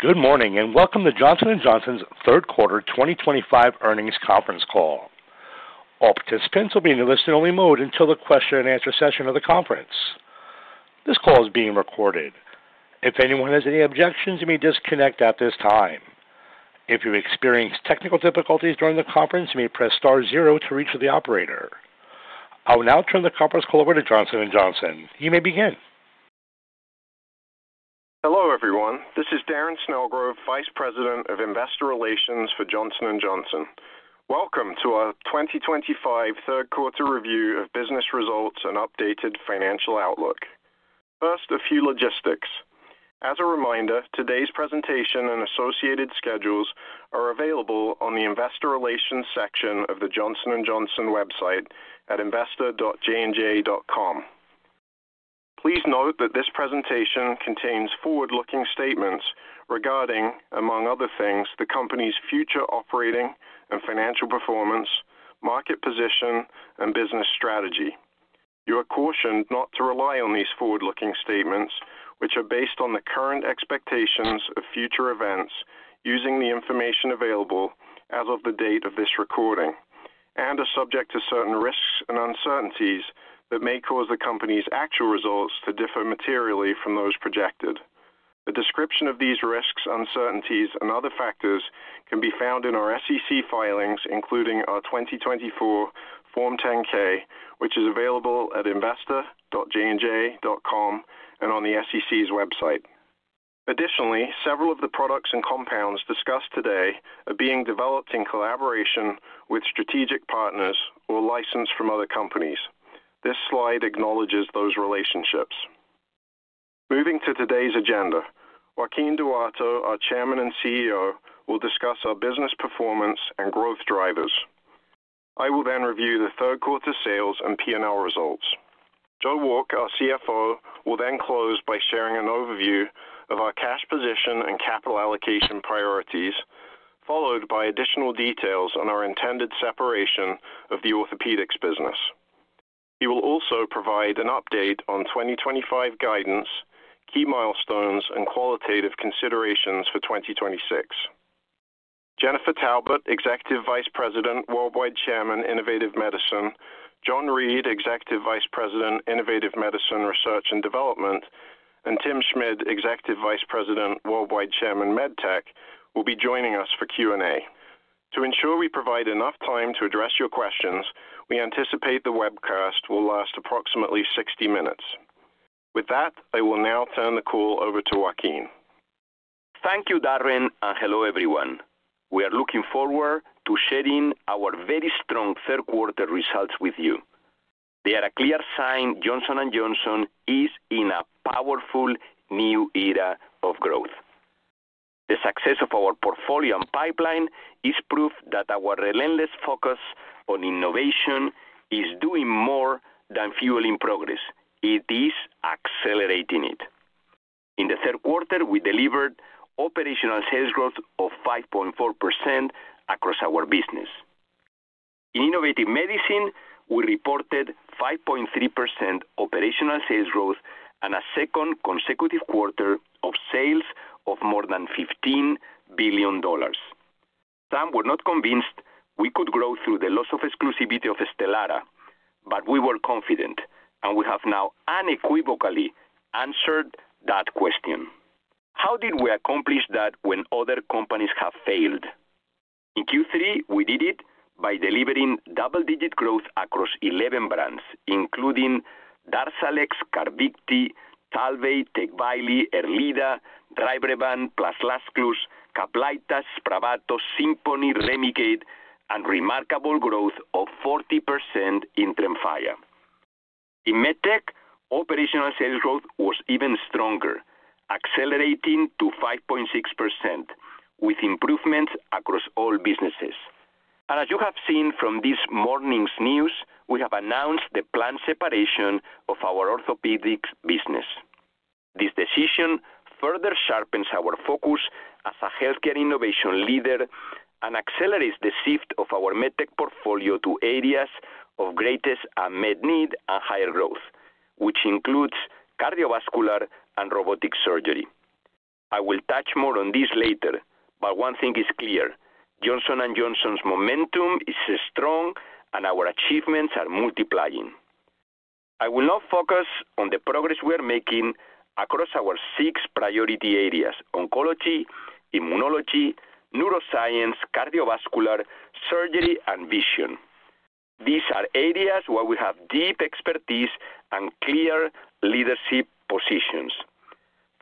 Good morning and welcome to Johnson & Johnson's third quarter 2025 earnings conference Call. All participants will be in the listen-only mode until the question-and-answer session of the conference. This call is being recorded. If anyone has any objections, you may disconnect at this time. If you experience technical difficulties during the conference, you may press star zero to reach the operator. I will now turn the conference call. Over to Johnson & Johnson. You may begin. Hello everyone, this is Darren Snellgrove, Vice President of Investor Relations for Johnson & Johnson. Welcome to our 2025 third quarter review of business results and updated financial outlook. First, a few logistics. As a reminder, today's presentation and associated schedules are available on the Investor Relations section of the Johnson & Johnson website at investor.jnj.com. Please note that this presentation contains forward-looking statements regarding, among other things, the company's future operating and financial performance, market position and business strategy. You are cautioned not to rely on these forward-looking statements, which are based on the current expectations of future events using the information available as of the date of this recording and are subject to certain risks and uncertainties that may cause the company's actual results to differ materially from those projected. A description of these risks, uncertainties and other factors can be found in our SEC filings, including our 2024 Form 10-K, which is available at investor.jnj.com and on the SEC's website. Additionally, several of the products and compounds discussed today are being developed in collaboration with strategic partners or licensed from other companies. This slide acknowledges those relationships. Moving to today's agenda, Joaquin Duato, our Chairman and CEO, will discuss our business performance and growth drivers. I will then review the third quarter sales and P&L results. Joe Wolk, our CFO, will then close by sharing an overview of our cash position and capital allocation priorities, followed by additional details on our intended separation of the orthopedics business. He will also provide an update on 2025 guidance, key milestones and qualitative considerations for 2026. Jennifer Taubert, Executive Vice President, Worldwide Chairman, Innovative Medicine, John Reed, Executive Vice President, Innovative Medicine Research and Development, and Tim Schmid, Executive Vice President, Worldwide Chairman, and MedTech, will be joining us for Q&A. To ensure we provide enough time to address your questions, we anticipate the webcast will last approximately 60 minutes. With that, I will now turn the call over to Joaquin. Thank you, Darren, and hello everyone. We are looking forward to sharing our very strong third quarter results with you. They are a clear sign Johnson & Johnson is in a powerful new era of growth. The success of our portfolio and pipeline is proof that our relentless focus on innovation is doing more than fueling progress, it is accelerating it. In the third quarter, we delivered operational sales growth of 5.4% across our business. In Innovative Medicine, we reported 5.3% operational sales growth and a second consecutive quarter of sales of more than $15 billion. Some were not convinced we could grow through the loss of exclusivity of STELARA, but we were confident and we have now unequivocally answered that question. How did we accomplish that when other companies have failed? In Q3, we did it by delivering double-digit growth across 11 brands including DARZALEX, CARVYKTI, TALVEY, TECVAYLI, ERLEADA, RYBREVANT/LAZCLUZE, CAPLYTA, SPRAVATO, SIMPONI, REMICADE, and remarkable growth of 40% in TREMFYA. In MedTech, operational sales growth was even stronger, accelerating to 5.6% with improvements across all businesses. As you have seen from this morning's news, we have announced the planned separation of our orthopedics business. This decision further sharpens our focus as a healthcare innovation leader and accelerates the shift of our MedTech portfolio to areas of greatest unmet need and higher growth, which includes cardiovascular and robotic surgery. I will touch more on this later, but one thing is clear, Johnson & Johnson's momentum is strong and our achievements are multiplying. I will now focus on the progress we are making across our six priority areas: oncology, immunology, neuroscience, cardiovascular surgery, and vision. These are areas where we have deep expertise and clear leadership positions.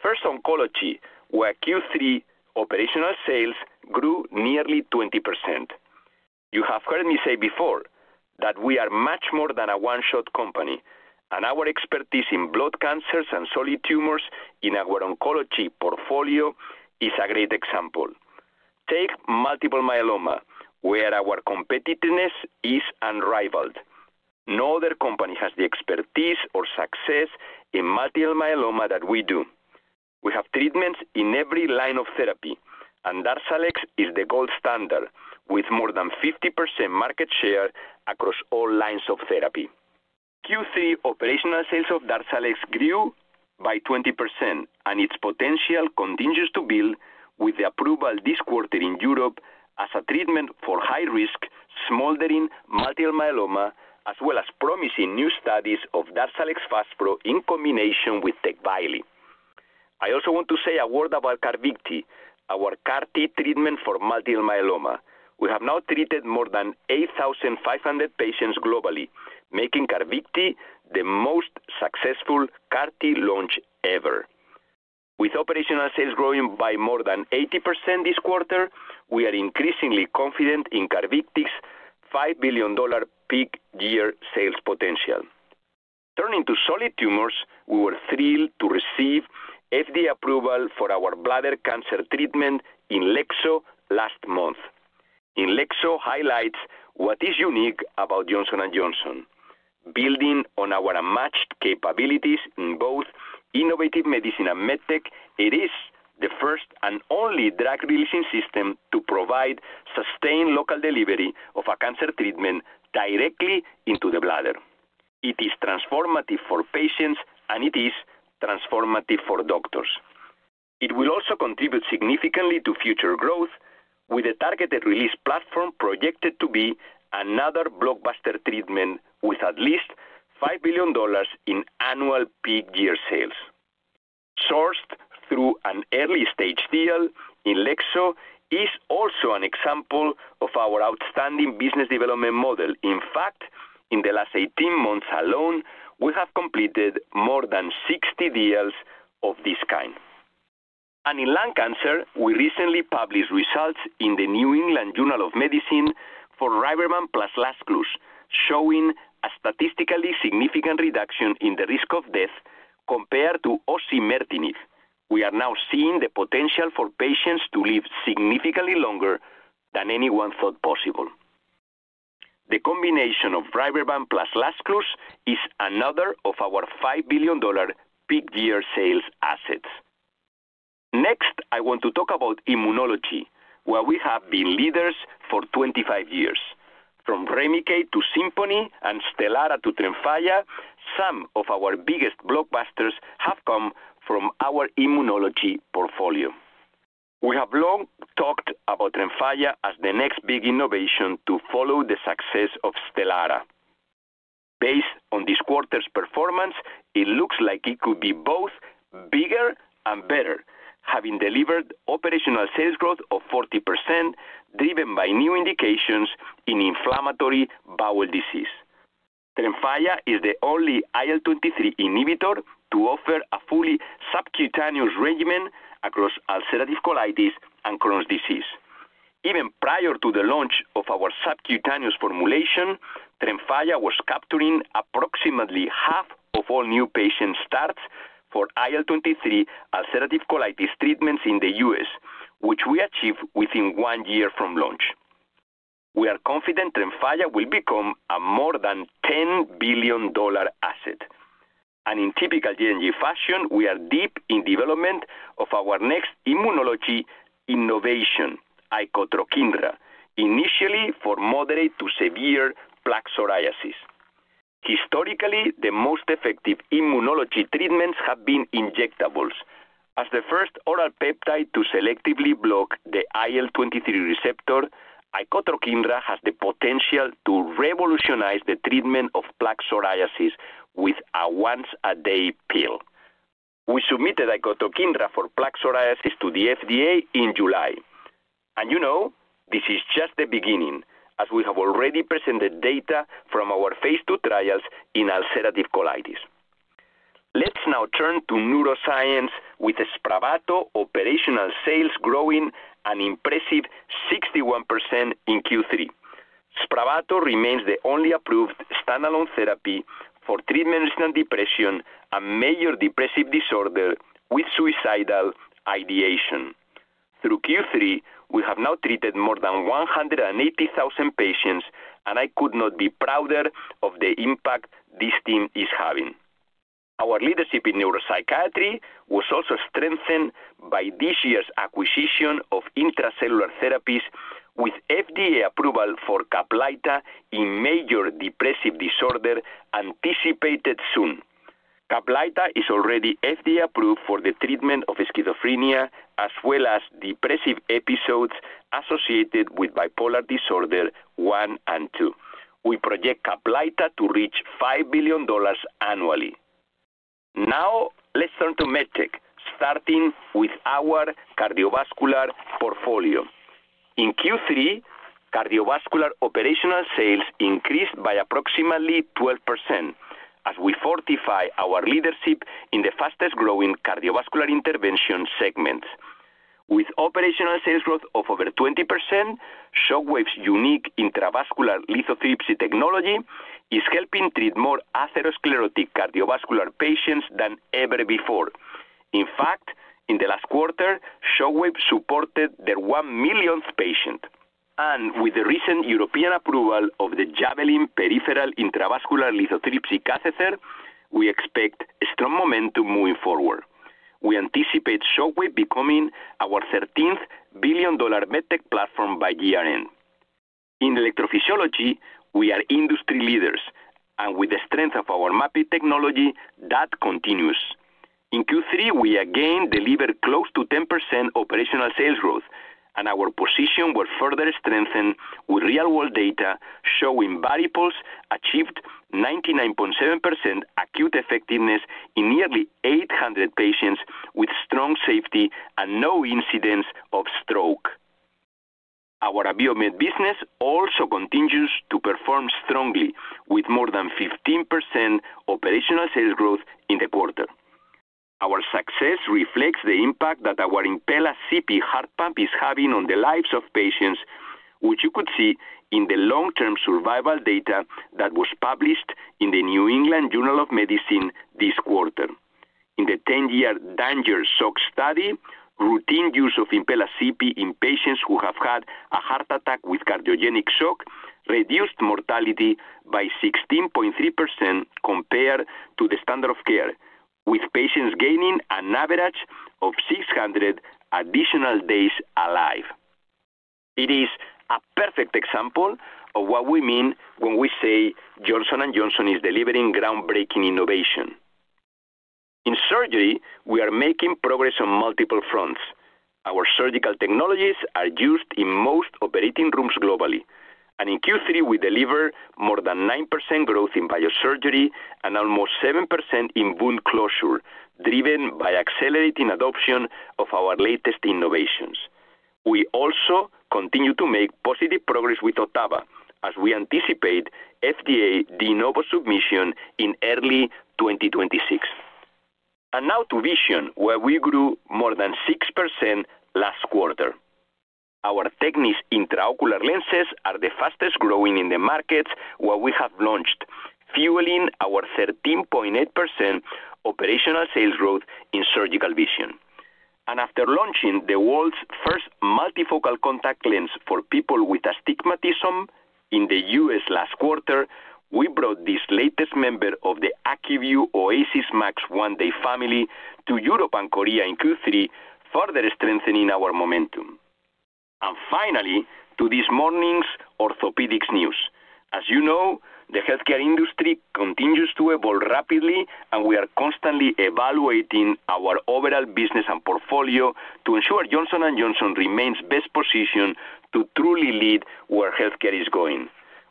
First, oncology, where Q3 operational sales grew nearly 20%. You have heard me say before that we are much more than a one-shot company and our expertise in blood cancers and solid tumors in our oncology portfolio is a great example. Take multiple myeloma, where our competitiveness is unrivaled. No other company has the expertise or success in multiple myeloma that we do. We have treatments in every line of therapy and DARZALEX is the gold standard with more than 50% market share across all lines of therapy. Q3 operational sales of DARZALEX grew by 20% and its potential continues to build with the approval this quarter in Europe as a treatment for high risk smoldering multiple myeloma as well as promising new studies of DARZALEX FASPRO in combination with teclistamab. I also want to say a word about CARVYKTI, our CAR-T treatment for multiple myeloma. We have now treated more than 8,500 patients globally, making CARVYKTI the most successful CAR-T launch ever. With operational sales growing by more than 80% this quarter, we are increasingly confident in CARVYKTI's $5 billion peak year sales potential. Turning to solid tumors, we were thrilled to receive FDA approval for our bladder cancer treatment INLEXZO last month. INLEXZO highlights what is unique about Johnson & Johnson. Building on our unmatched capabilities in both Innovative Medicine and MedTech, it is the first and only drug releasing system to provide sustained local delivery of a cancer treatment directly into the bladder. It is transformative for patients and it is transformative for doctors. It will also contribute significantly to future growth with a targeted release platform projected to be another blockbuster treatment with at least $5 billion in annual peak year sales. Sourced through an early stage deal, INLEXZO is also an example of our outstanding business development model. In fact, in the last 18 months alone we have completed more than 60 deals of this kind and in lung cancer we recently published results in the New England Journal of RYBREVANT plus LAZCLUZE showing a statistically significant reduction in the risk of death compared to osimertinib. We are now seeing the potential for patients to live significantly longer than anyone thought possible. The RYBREVANT plus LAZCLUZE is another of our $5 billion peak year sales assets. Next I want to talk about Immunology, where we have been leaders for 25 years. From REMICADE to SIMPONI and STELARA to TREMFYA, some of our biggest blockbusters have come from our immunology portfolio. We have long talked about TREMFYA as the next big innovation to follow the success of STELARA. Based on this quarter's performance, it looks like it could be both bigger and better. Having delivered operational sales growth of 40% driven by new indications in inflammatory bowel disease, TREMFYA is the only IL-23 inhibitor to offer a fully subcutaneous regimen across ulcerative colitis and Crohn's disease. Even prior to the launch of our subcutaneous formulation, TREMFYA was capturing approximately half of all new patient starts for IL-23 ulcerative colitis treatments in the U.S., which we achieved within one year from launch. We are confident TREMFYA will become a more than $10 billion asset, and in typical J&J fashion, we are deep in development of our next immunology innovation, icotrokinra, initially for moderate to severe plaque psoriasis. Historically, the most effective immunology treatments have been injectables. As the first oral peptide to selectively block the IL-23 receptor, icotrokinra has the potential to revolutionize the treatment of plaque psoriasis with a once-a-day pill. We submitted icotrokinra for plaque psoriasis to the FDA in July. This is just the beginning, as we have already presented data from our phase II trials in ulcerative colitis. Let's now turn to neuroscience. With SPRAVATO operational sales growing an impressive 61% in Q3, SPRAVATO remains the only approved standalone therapy for treatment-resistant depression, a major depressive disorder with suicidal ideation. Through Q3, we have now treated more than 180,000 patients, and I could not be prouder of the impact this team is having. Our leadership in neuropsychiatry was also strengthened by this year's acquisition of Intra-Cellular Therapies. With FDA approval for CAPLYTA in major depressive disorder anticipated soon, CAPLYTA is already FDA approved for the treatment of schizophrenia as well as depressive episodes associated with bipolar disorder 1 and 2. We project CAPLYTA to reach $5 billion annually. Now let's turn to MedTech, starting with our cardiovascular portfolio. In Q3, cardiovascular operational sales increased by approximately 12% as we fortify our leadership in the fastest growing cardiovascular intervention segments. With operational sales growth of over 20%, Shockwave's unique intravascular lithotripsy technology is helping treat more atherosclerotic cardiovascular patients than ever before. In fact, in the last quarter, Shockwave supported their 1 millionth patient, and with the recent European approval of the Javelin peripheral intravascular lithotripsy catheter, we expect strong momentum moving forward. We anticipate Shockwave becoming our 13th billion dollar MedTech platform by year end. In electrophysiology, we are industry leaders, and with the strength of our mapping technology that continues in Q3, we again delivered close to 10% operational sales growth, and our position was further strengthened with real world data showing VARIPULSE achieved 99.7% acute effectiveness in nearly 800 patients with strong safety and no incidence of stroke. Our Abiomed business also continues to perform strongly with more than 15% operational sales growth in the quarter. Our success reflects the impact that our Impella CP heart pump is having on the lives of patients, which you could see in the long term survival data that was published in the New England Journal of Medicine this quarter. In the 10-year DanGer Shock study, routine use of Impella CP in patients who have had a heart attack with cardiogenic shock reduced mortality by 16.3% compared to the standard of care, with patients gaining an average of 600 additional days alive. It is a perfect example of what we mean when we say Johnson & Johnson is delivering groundbreaking innovation in surgery. We are making progress on multiple fronts. Our surgical technologies are used in most operating rooms globally, and in Q3 we delivered more than 9% growth in biosurgery and almost 7% in wound closure, driven by accelerating adoption of our latest innovations. We also continue to make positive progress with OTTAVA as we anticipate FDA de novo submission in early 2026. Now to Vision, where we grew more than 6% last quarter. Our TECNIS intraocular lenses are the fastest growing in the markets. What we have launched is fueling our 13.8% operational sales growth in surgical vision, and after launching the world's first multifocal contact lens for people with astigmatism in the U.S. last quarter, we brought this latest member of the ACUVUE OASYS MAX 1-Day family to Europe and Korea in Q3, further strengthening our momentum. Finally, to this morning's Orthopaedics news. As you know, the healthcare industry continues to evolve rapidly, and we are constantly evaluating our overall business and portfolio to ensure Johnson & Johnson remains best positioned to truly lead where healthcare is going.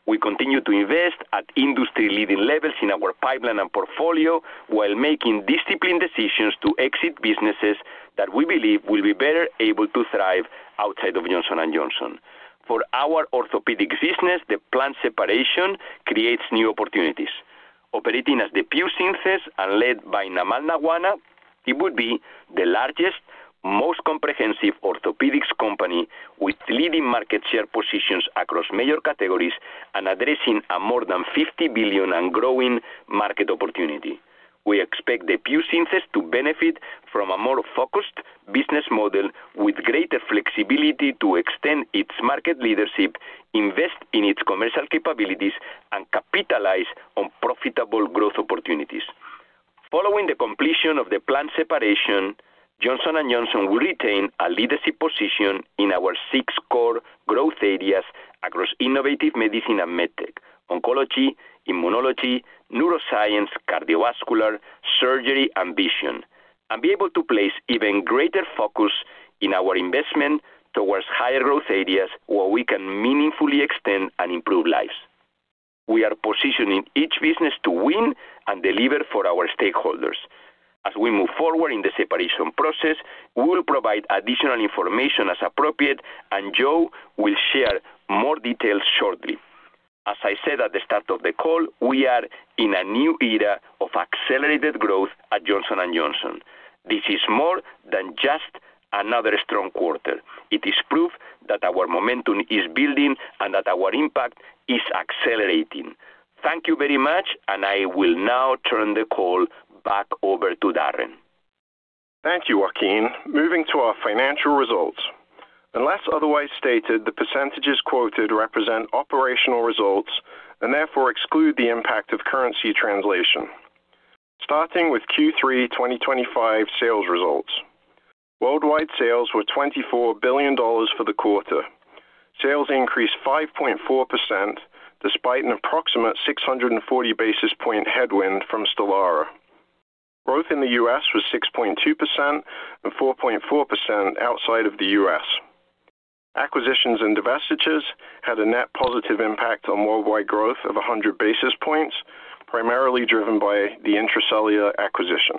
We continue to invest at industry leading levels in our pipeline and portfolio while making disciplined decisions to exit businesses that we believe will be better able to thrive outside of Johnson & Johnson. For our orthopedics business, the planned separation creates new opportunities. Operating as DePuy Synthes and led by Namal Nawana, it would be the largest, most comprehensive orthopedics company with leading market share positions across major categories and addressing a more than $50 billion and growing market opportunity. We expect DePuy Synthes to benefit from a more focused business model with greater flexibility to extend its market leadership, invest in its commercial capabilities, and capitalize on profitable growth opportunities. Following the completion of the planned separation, Johnson & Johnson will retain a leadership position in our six core growth areas across innovative medicine and MedTech for oncology, immunology, neuroscience, cardiovascular surgery, and vision, and be able to place even greater focus in our investment towards higher growth areas where we can meaningfully extend and improve lives. We are positioning each business to win and deliver for our stakeholders as we move forward in the separation process. We will provide additional information as appropriate, and Joe will share more details shortly. As I said at the start of the call, we are in a new era of accelerated growth at Johnson & Johnson. This is more than just another strong quarter. It is proof that our momentum is building and that our impact is accelerating. Thank you very much, and I will now turn the call back over to Darren. Thank you, Joaquin. Moving to our financial results, unless otherwise stated, the percentages quoted represent operational results and therefore exclude the impact of currency translation. starting with Q3 2025 sales results, worldwide sales were $24 billion for the quarter. Sales increased 5.4% despite an approximate 640 basis point headwind from STELARA. Growth in the U.S. was 6.2% and 4.4% outside of the U.S. Acquisitions and divestitures had a net positive impact on worldwide growth of 100 basis points, primarily driven by the Intra-Cellular acquisition.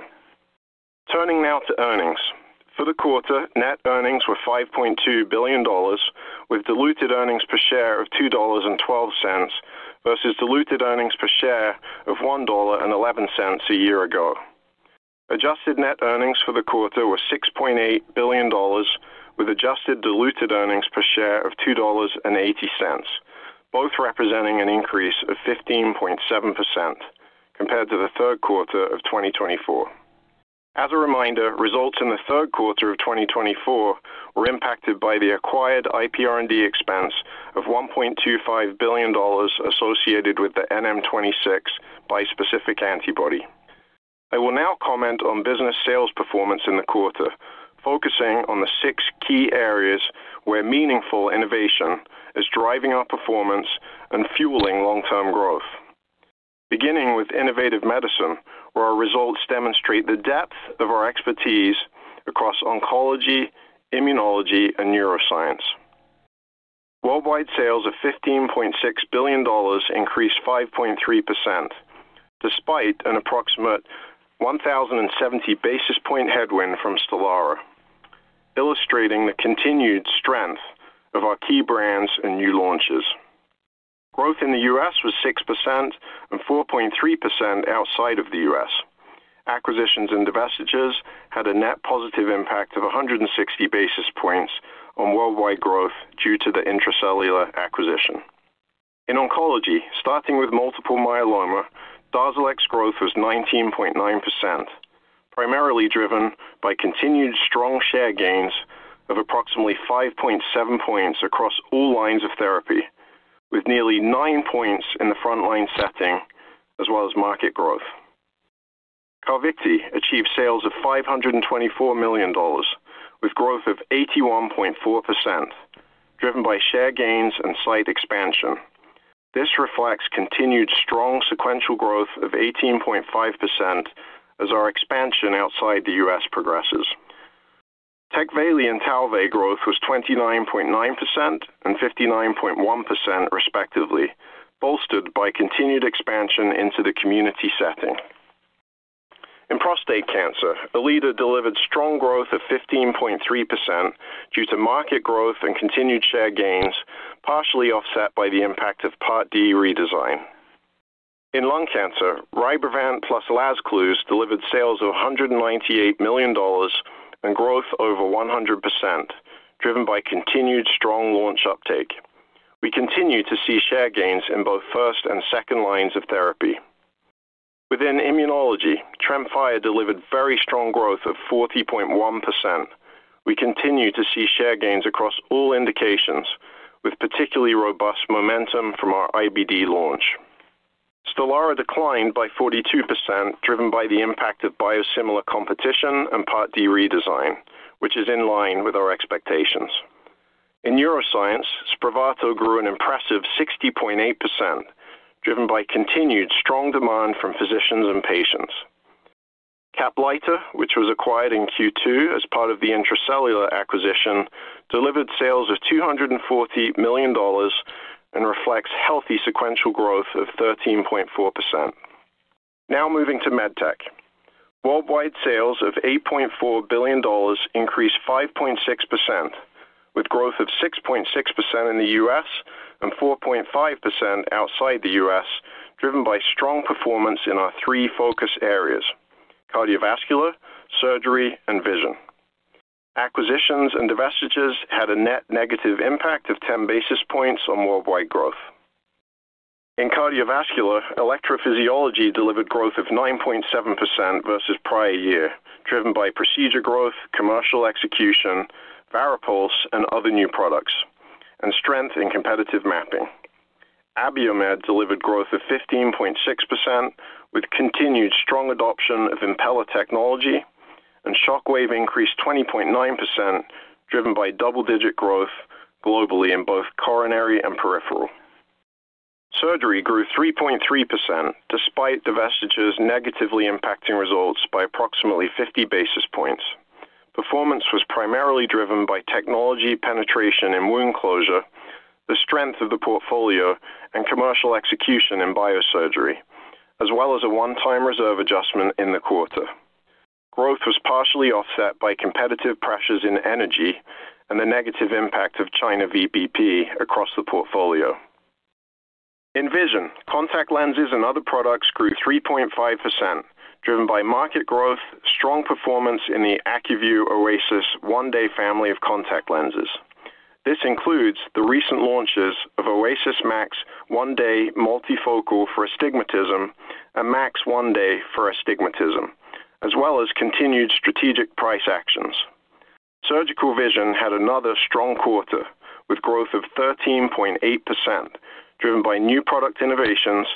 Turning now to earnings for the quarter, net earnings were $5.2 billion with diluted earnings per share of $2.12 versus diluted earnings per share of $1.11 a year ago. Adjusted net earnings for the quarter were $6.8 billion with adjusted diluted earnings per share of $2.80, both representing an increase of 15.7% compared to the third quarter of 2024. As a reminder, results in the third quarter of 2024 were impacted by the acquired IPR&D expense of $1.25 billion associated with the NM26 bispecific antibody. I will now comment on business sales performance in the quarter, focusing on the six key areas where meaningful innovation is driving our performance and fueling long-term growth, beginning with Innovative Medicine where our results demonstrate the depth of our expertise across oncology, immunology, and neuroscience. Worldwide sales of $15.6 billion increased 5.3% despite an approximate 1,070 basis point headwind from STELARA, illustrating the continued strength of our key brands and new launches. Growth in the U.S. was 6% and 4.3% outside of the U.S. Acquisitions and divestitures had a net positive impact of 160 basis points on worldwide growth due to the Intra-Cellular acquisition. In oncology, starting with multiple myeloma, DARZALEX growth was 19.9%, primarily driven by continued strong share gains of approximately 5.7 points across all lines of therapy, with nearly 9 points in the frontline setting as well as market growth. CARVYKTI achieved sales of $524 million with growth of 81.4% driven by share gains and site expansion. This reflects continued strong sequential growth of 18.5% as our expansion outside the U.S. progresses. TECVAYLI and TALVEY growth was 29.9% and 59.1% respectively, bolstered by continued expansion into the community setting. In prostate cancer, ERLEADA delivered strong growth of 15.3% due to market growth and continued share gains, partially offset by the impact of Part D redesign. In lung cancer, RYBREVANT plus LAZCLUZE delivered sales of $198 million and growth over 100% driven by continued strong launch uptake. We continue to see share gains in both first and second lines of therapy. Within Immunology, TREMFYA delivered very strong growth of 40.1%. We continue to see share gains across all indications with particularly robust momentum from our IBD launch. STELARA declined by 42% driven by the impact of biosimilar competition and Part D redesign, which is in line with our expectations. In neuroscience, SPRAVATO grew an impressive 60.8% driven by continued strong demand from physicians and patients. CAPLYTA, which was acquired in Q2 as part of the Intra-Cellular Therapies acquisition, delivered sales of $240 million and reflects healthy sequential growth of 13.4%. Now moving to MedTech, worldwide sales of $8.4 billion increased 5.6% with growth of 6.6% in the U.S. and 4.5% outside the U.S. driven by strong performance in our three focus areas, cardiovascular surgery and vision. Acquisitions and divestitures had a net negative impact of 10 basis points on worldwide growth. In cardiovascular, electrophysiology delivered growth of 9.7% versus prior year driven by procedure growth, commercial execution, VARIPULSE and other new products and strength in competitive mapping. Abiomed delivered growth of 15.6% with continued strong adoption of Impella technology and Shockwave increased 20.9% driven by double-digit growth globally in both coronary and peripheral. Surgery grew 3.3% despite divestitures negatively impacting results by approximately 50 basis points. Performance was primarily driven by technology penetration in wound closure, the strength of the portfolio and commercial execution in biosurgery as well as a one-time reserve adjustment in the quarter. Growth was partially offset by competitive pressures in energy and the negative impact of China VBP. Across the portfolio in vision, contact lenses and other products grew 3.5% driven by market growth, strong performance in the ACUVUE OASYS 1-Day family of contact lenses. This includes the recent launches of OASYS MAX 1-Day multifocal for astigmatism and MAX 1-Day for astigmatism as well as continued strategic price actions. Surgical Vision had another strong quarter with growth of 13.8% driven by new product. Product innovations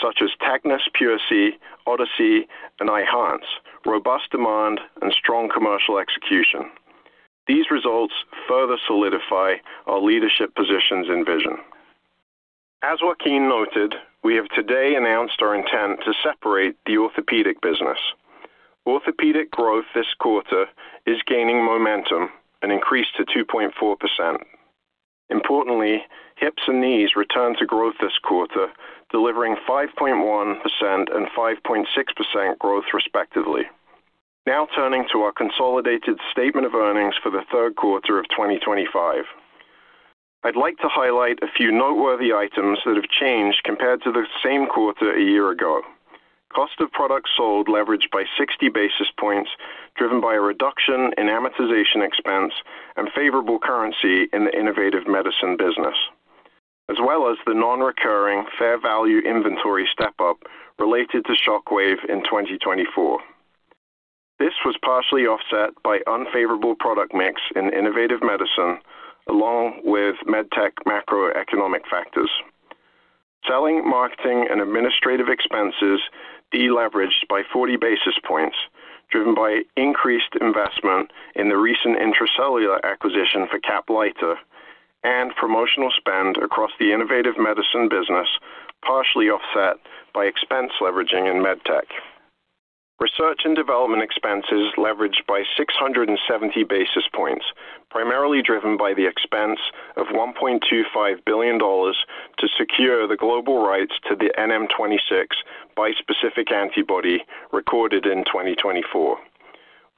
such as TECNIS PureSee, Odyssey and Eyhance, robust demand and strong commercial execution. These results further solidify our leadership positions in vision. As Joaquin noted, we have today announced our intent to separate the orthopaedic business. Orthopaedic growth this quarter is gaining momentum and increased to 2.4%. Importantly, hips and knees returned to growth this quarter, delivering 5.1% and 5.6% growth respectively. Now turning to our consolidated statement of earnings for the third quarter of 2025, I'd like to highlight a few noteworthy items that have changed compared to the same quarter a year ago. Cost of products sold leveraged by 60 basis points, driven by a reduction in amortization expense and favorable currency in the Innovative Medicine business, as well as the non-recurring fair value inventory step up related to Shockwave in 2024. This was partially offset by unfavorable product mix in Innovative Medicine along with MedTech macroeconomic factors. Selling, marketing, and administrative expenses deleveraged by 40 basis points, driven by increased investment in the recent Intra-Cellular acquisition for CAPLYTA and promotional spend across the Innovative Medicine business, partially offset by expense leveraging in MedTech. Research and development expenses leveraged by 670 basis points, primarily driven by the expense of $1.25 billion to secure the global rights to the NM26 bispecific antibody recorded in 2024.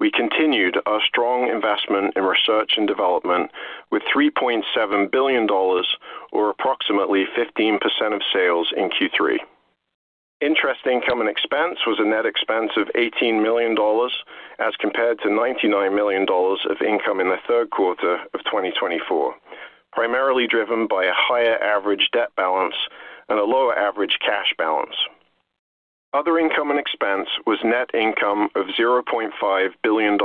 We continued our strong investment in research and development with $3.7 billion, approximately 15% of sales in Q3. Interest income and expense was a net expense of $18 million as compared to $99 million of income in the third quarter of 2024, primarily driven by a higher average debt balance and a lower average cash balance. Other income and expense was net income of $0.5 billion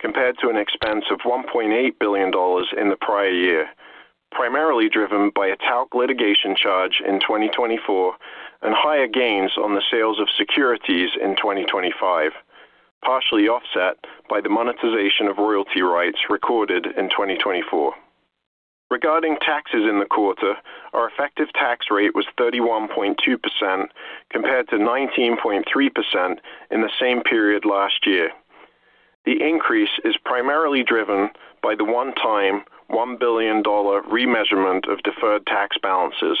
compared to an expense of $1.8 billion in the prior year, primarily driven by a TALC litigation charge in 2024 and higher gains on the sales of securities in 2025, partially offset by the monetization of royalty rights recorded in 2024. Regarding taxes in the quarter, our effective tax rate was 31.2% compared to 19.3% in the same period last year. The increase is primarily driven by the one-time $1 billion remeasurement of deferred tax balances,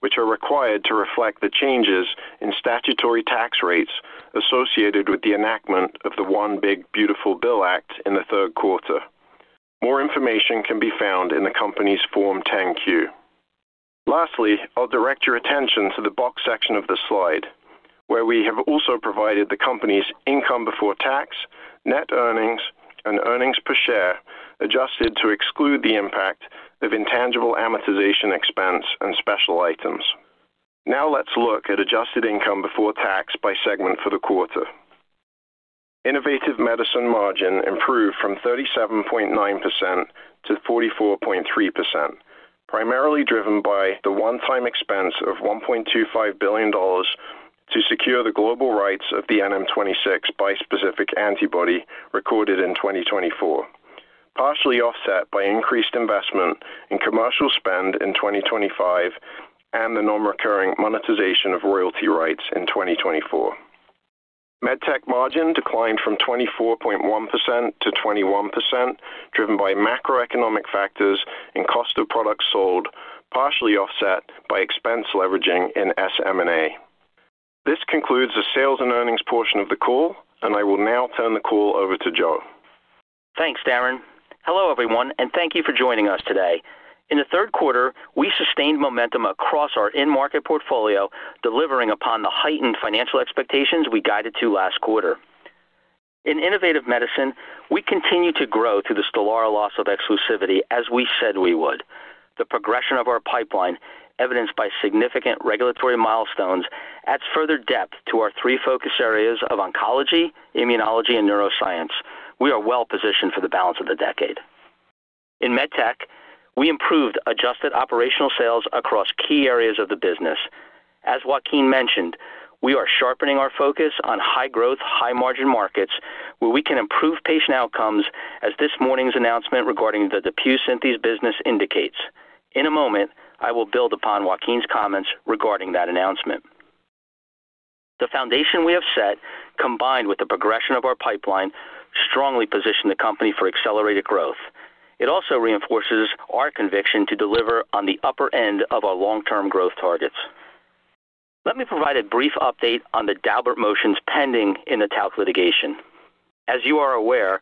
which are required to reflect the changes in statutory tax rates associated with the enactment of the One Big Beautiful Bill Act in the third quarter. More information can be found in the company's Form 10-Q. Lastly, I'll direct your attention to the box section of the slide where we have also provided the company's income before tax, net earnings, and earnings per share adjusted to exclude the impact of intangible amortization expense and special items. Now let's look at adjusted income before tax by segment for the quarter. Innovative Medicine margin improved from 37.9%-44.3% primarily driven by the one-time expense of $1.25 billion to secure the global rights of the NM26 bispecific antibody recorded in 2024, partially offset by increased investment in commercial spend in 2025 and the non-recurring monetization of royalty rights in 2024. MedTech margin declined from 24.1%-21% driven by macroeconomic factors in cost of products sold, partially offset by expense leveraging in SMA. This concludes the sales and earnings portion of the call, and I will now turn the call over to Joe. Thanks. Hello everyone and thank you for joining us today. In the third quarter, we sustained momentum across our in-market portfolio, delivering upon the heightened financial expectations we guided to last quarter. In Innovative Medicine, we continue to grow through the STELARA loss of exclusivity as. We said we would. The progression of our pipeline, evidenced by significant regulatory milestones, adds further depth to our three focus areas of oncology, immunology, and neuroscience. We are well positioned for the balance of the decade. In MedTech, we improved adjusted operational sales across key areas of the business. As Joaquin mentioned, we are sharpening our focus on high-growth, high-margin markets where we can improve patient outcomes, as this morning's announcement regarding the DePuy Synthes business indicates. In a moment, I will build upon Joaquin's comments regarding that announcement. The foundation we have set, combined with the progression of our pipeline, strongly positions the company for accelerated growth. It also reinforces our conviction to deliver on the upper end of our long-term growth targets. Let me provide a brief update on the Daubert motions pending in the talc litigation. As you are aware,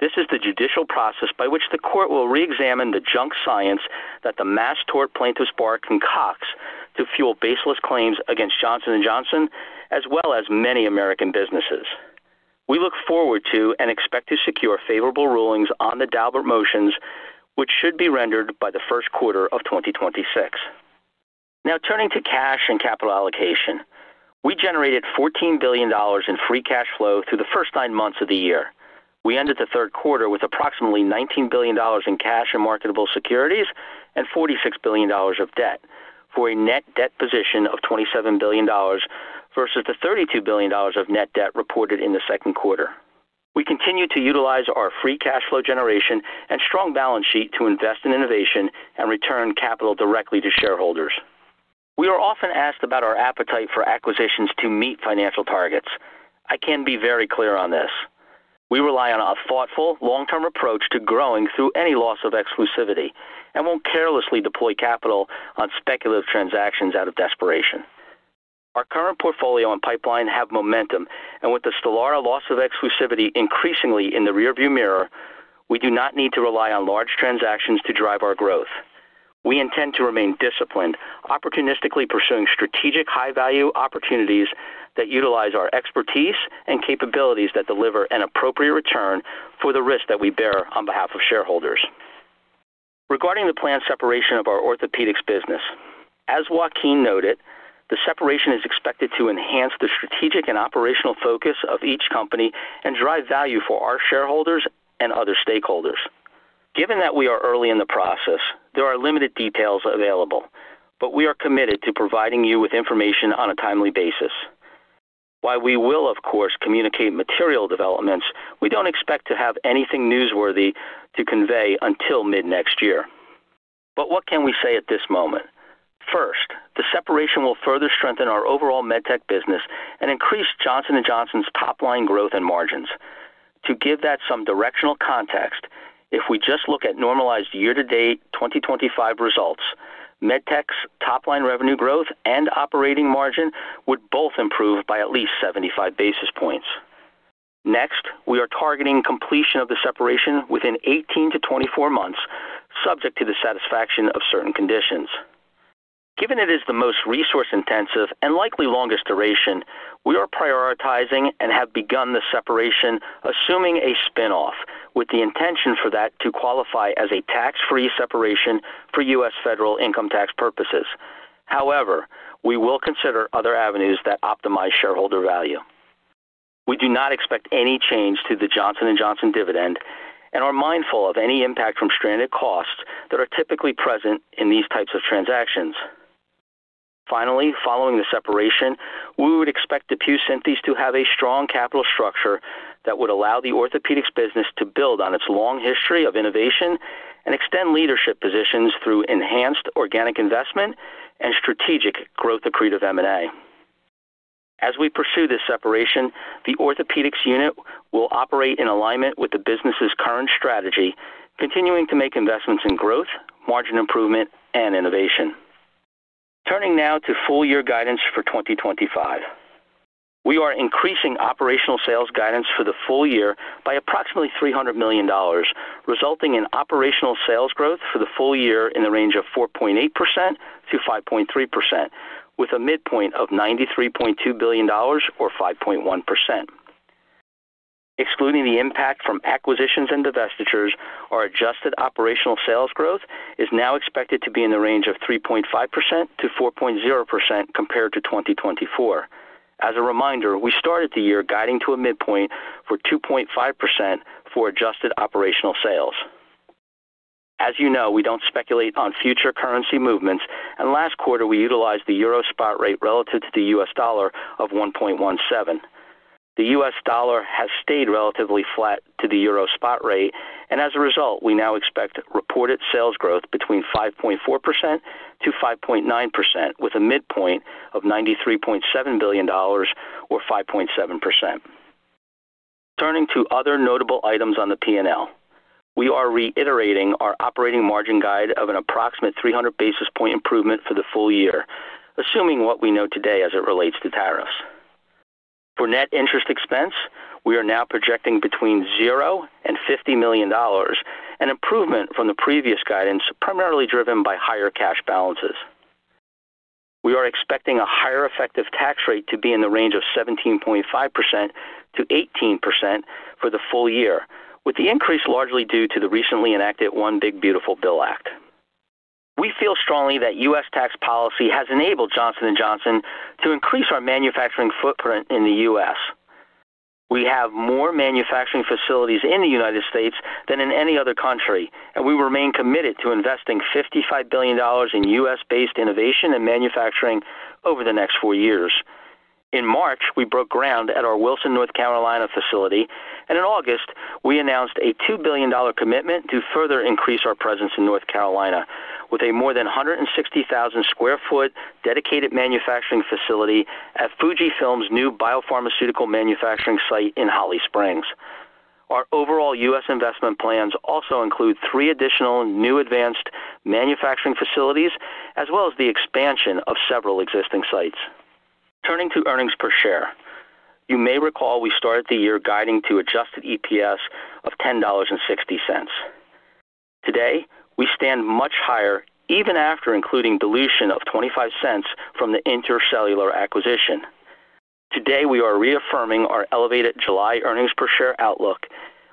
this is the judicial process by which the court will reexamine the junk science that the mass tort plaintiff's bar concocts to fuel baseless claims against Johnson & Johnson as well as many American businesses. We look forward to and expect to secure favorable rulings on the Daubert motions, which should be rendered by the first quarter of 2026. Now turning to cash and capital allocation, we generated $14 billion in free cash flow through the first nine months of the year. We ended the third quarter with approximately $19 billion in cash and marketable securities and $46 billion of debt for a net debt position of $27 billion versus the $32 billion of net debt reported in the second quarter. We continue to utilize our free cash flow generation and strong balance sheet to invest in innovation and return capital directly to shareholders. We are often asked about our appetite for acquisitions to meet financial targets. I can be very clear on this. We rely on a thoughtful, long-term approach to growing through any loss of exclusivity and won't carelessly deploy capital on transactions out of desperation. Our current portfolio and pipeline have momentum, and with the STELARA loss of exclusivity increasingly in the rearview mirror, we do not need to rely on large transactions to drive our growth. We intend to remain disciplined, opportunistically pursuing strategic, high-value opportunities that utilize our expertise and capabilities that deliver an appropriate return for the risk that we bear on behalf of shareholders. Regarding the planned separation of our orthopedics business, as Joaquin noted, the separation is expected to enhance the strategic and operational focus of each company and drive value for our shareholders and other stakeholders. Given that we are early in the process, there are limited details available, but we are committed to providing you with information on a timely basis. While we will of course communicate material developments, we don't expect to have anything newsworthy to convey until mid next year. What can we say at this moment? First, the separation will further strengthen our overall MedTech business and increase Johnson & Johnson's top line growth and margins. To give that some directional context, if we just look at normalized year to date 2025 results, MedTech's top line revenue growth and operating margin would both improve by at least 75 basis points. Next, we are targeting completion of the separation within 18 months-24 months, subject to the satisfaction of certain conditions given it is the most resource intensive and likely longest duration. We are prioritizing and have begun the separation assuming a spinoff with the intention for that to qualify as a tax free separation for U.S. Federal income tax purposes. However, we will consider other avenues that optimize shareholder value. We do not expect any change to the Johnson & Johnson dividend and are mindful of any impact from stranded costs that are typically present in these types of transactions. Finally, following the separation, we would expect DePuy Synthes to have a strong capital structure that would allow the orthopedics business to build on its long history of innovation and extend leadership positions through enhanced organic investment and strategic growth. Accretive M&A as we pursue this separation, the orthopedics unit will operate in alignment with the business current strategy, continuing to make investments in growth, margin improvement and innovation. Turning now to full year guidance for 2025, we are increasing operational sales guidance for the full year by approximately $300 million, resulting in operational sales growth for the full year in the range of 4.8%-5.3%. With a midpoint of $93.2 billion or 5.1% excluding the impact from acquisitions and divestitures. Our adjusted operational sales growth is now expected to be in the range of 4.0% compared to 2024. As a reminder, we started the year guiding to a midpoint for 2.5% for adjusted operational sales. As you know, we don't speculate on future currency movements and last quarter we utilized the Euro spot rate relative to the U.S. dollar of 1.17. The U.S. dollar has stayed relatively flat to the Euro spot rate and as a result we now expect reported sales growth between 5.4%-5.9% with a midpoint of $90 billion or 5.7%. Turning to other notable items on the P&L, we are reiterating our operating margin guide of an approximate 300 basis point improvement for the full year. Assuming what we know today as it relates to tariffs for net interest expense, we are now projecting between $0 and $50 million, an improvement from the previous guidance primarily driven by higher cash balances. We are expecting a higher effective tax rate to be in the range of 17.5%-18% for the full year, with the increase largely due to the recently enacted One Big Beautiful Bill Act. We feel strongly that U.S. tax policy has enabled Johnson & Johnson to increase our manufacturing footprint in the U.S. We have more manufacturing facilities in the United States than in any other country and we remain committed to investing $55 billion in U.S.-based innovation and manufacturing over the next four years. In March we broke ground at our Wilson, North Carolina facility and in August we announced a $2 billion commitment to further increase our presence in North Carolina with a more than 160,000 sq ft dedicated manufacturing facility at Fujifilm's new biopharmaceutical manufacturing site in Holly Springs. Our overall U.S. investment plans also include three additional new advanced manufacturing facilities as well as the expansion of several existing sites. Turning to earnings per share, you may recall we started the year guiding to adjusted EPS of $10.60. Today we stand much higher even after including dilution of $0.25 from the Intra-Cellular acquisition. Today we are reaffirming our elevated July earnings per share outlook,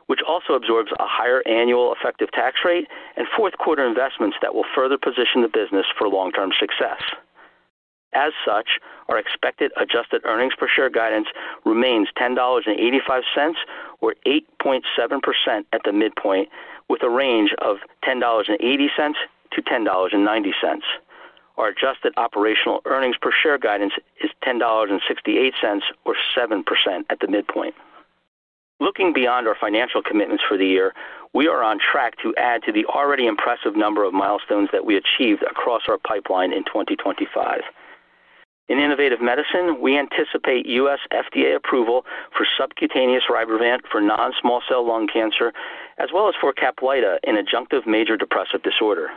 which also absorbs a higher annual effective tax rate and fourth quarter investments that will further position the business for success. As such, our expected adjusted earnings per share guidance remains $10.85 or 8.7% at the midpoint, with a range of $10.80-$10.90. Our adjusted operational earnings per share guidance is $10.68 or 7% at the midpoint. Looking beyond our financial commitments for the year, we are on track to add to the already impressive number of milestones that we achieved across our pipeline in 2025. In Innovative Medicine, we anticipate U.S. FDA approval for subcutaneous RYBREVANT for non-small cell lung cancer as well as for CAPLYTA, an adjunctive major depressive disorder.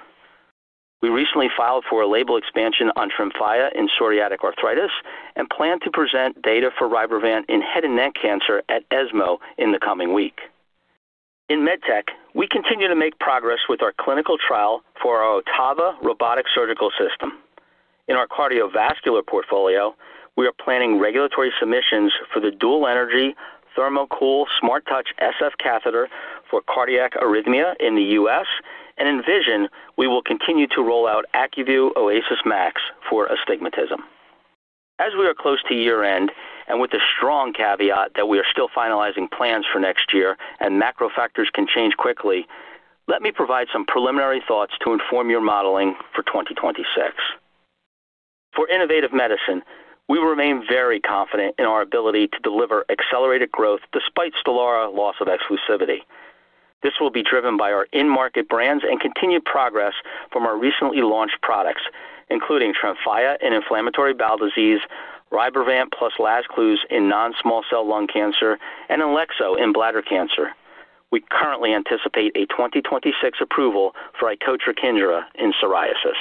We recently filed for a label expansion on TREMFYA in psoriatic arthritis and plan to present data for RYBREVANT in head and neck cancer at ESMO in the coming week. In MedTech, we continue to make progress with our clinical trial for our OTTAVA robotic surgical system in our cardiovascular portfolio. We are planning regulatory submissions for the Dual Energy ThermoCool SmartTouch SF catheter for cardiac arrhythmia in the U.S. and envision we will continue to roll out ACUVUE OASYS MAX for astigmatism. As we are close to year end and with the strong caveat that we are still finalizing plans for next year and macro factors can change quickly, let me provide some preliminary thoughts to inform your modeling for 2026. For Innovative Medicine, we remain very confident in our ability to deliver accelerated growth despite STELARA loss of exclusivity. This will be driven by our in-market brands and continued progress from our recently launched products including TREMFYA in inflammatory bowel disease, RYBREVANT plus LAZCLUZE in non-small cell lung cancer, and INLEXZO in bladder cancer. We currently anticipate a 2026 approval for icotrokinra in psoriasis.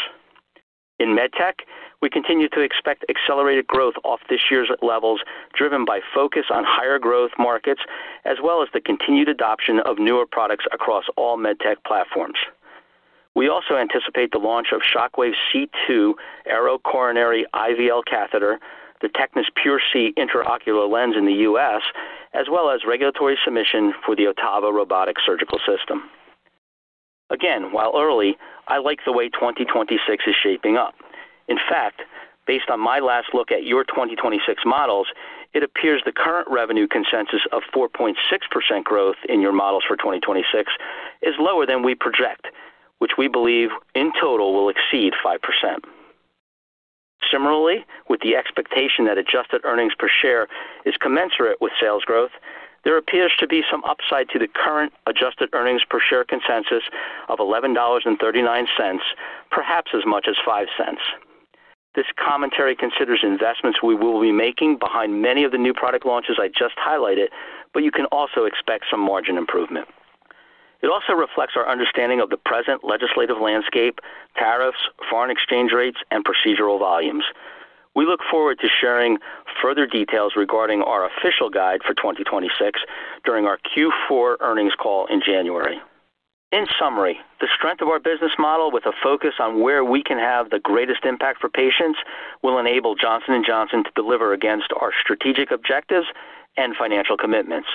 In MedTech, we continue to expect accelerated growth off this year's levels driven by focus on higher growth markets as well as the continued adoption of newer products across all MedTech platforms. We also anticipate the launch of Shockwave C2 AERO Coronary IVL Catheter, the TECNIS PureSee intraocular lens in the U.S. as well as regulatory submission for the OTTAVA robotic surgical. Again, while early, I like the way 2026 is shaping up. In fact, based on my last look at your 2026 models, it appears the current revenue consensus of 4.6% growth in your models for 2026 is lower than we project, which we believe in total will exceed 5%. Similarly, with the expectation that adjusted earnings per share is commensurate with sales growth, there appears to be some upside to the current adjusted earnings per share consensus of $11.39, perhaps as much as $0.05. This commentary considers investments we will be making behind many of the new product launches I just highlighted, but you can also expect some margin improvement. It also reflects our understanding of the present legislative landscape, tariffs, foreign exchange rates, and procedural volumes. We look forward to sharing further details regarding our official guide for 2026 during our Q4 earnings call in January. In summary, the strength of our business model, with a focus on where we can have the greatest impact for patients, will enable Johnson & Johnson to deliver against our strategic objectives and financial commitments.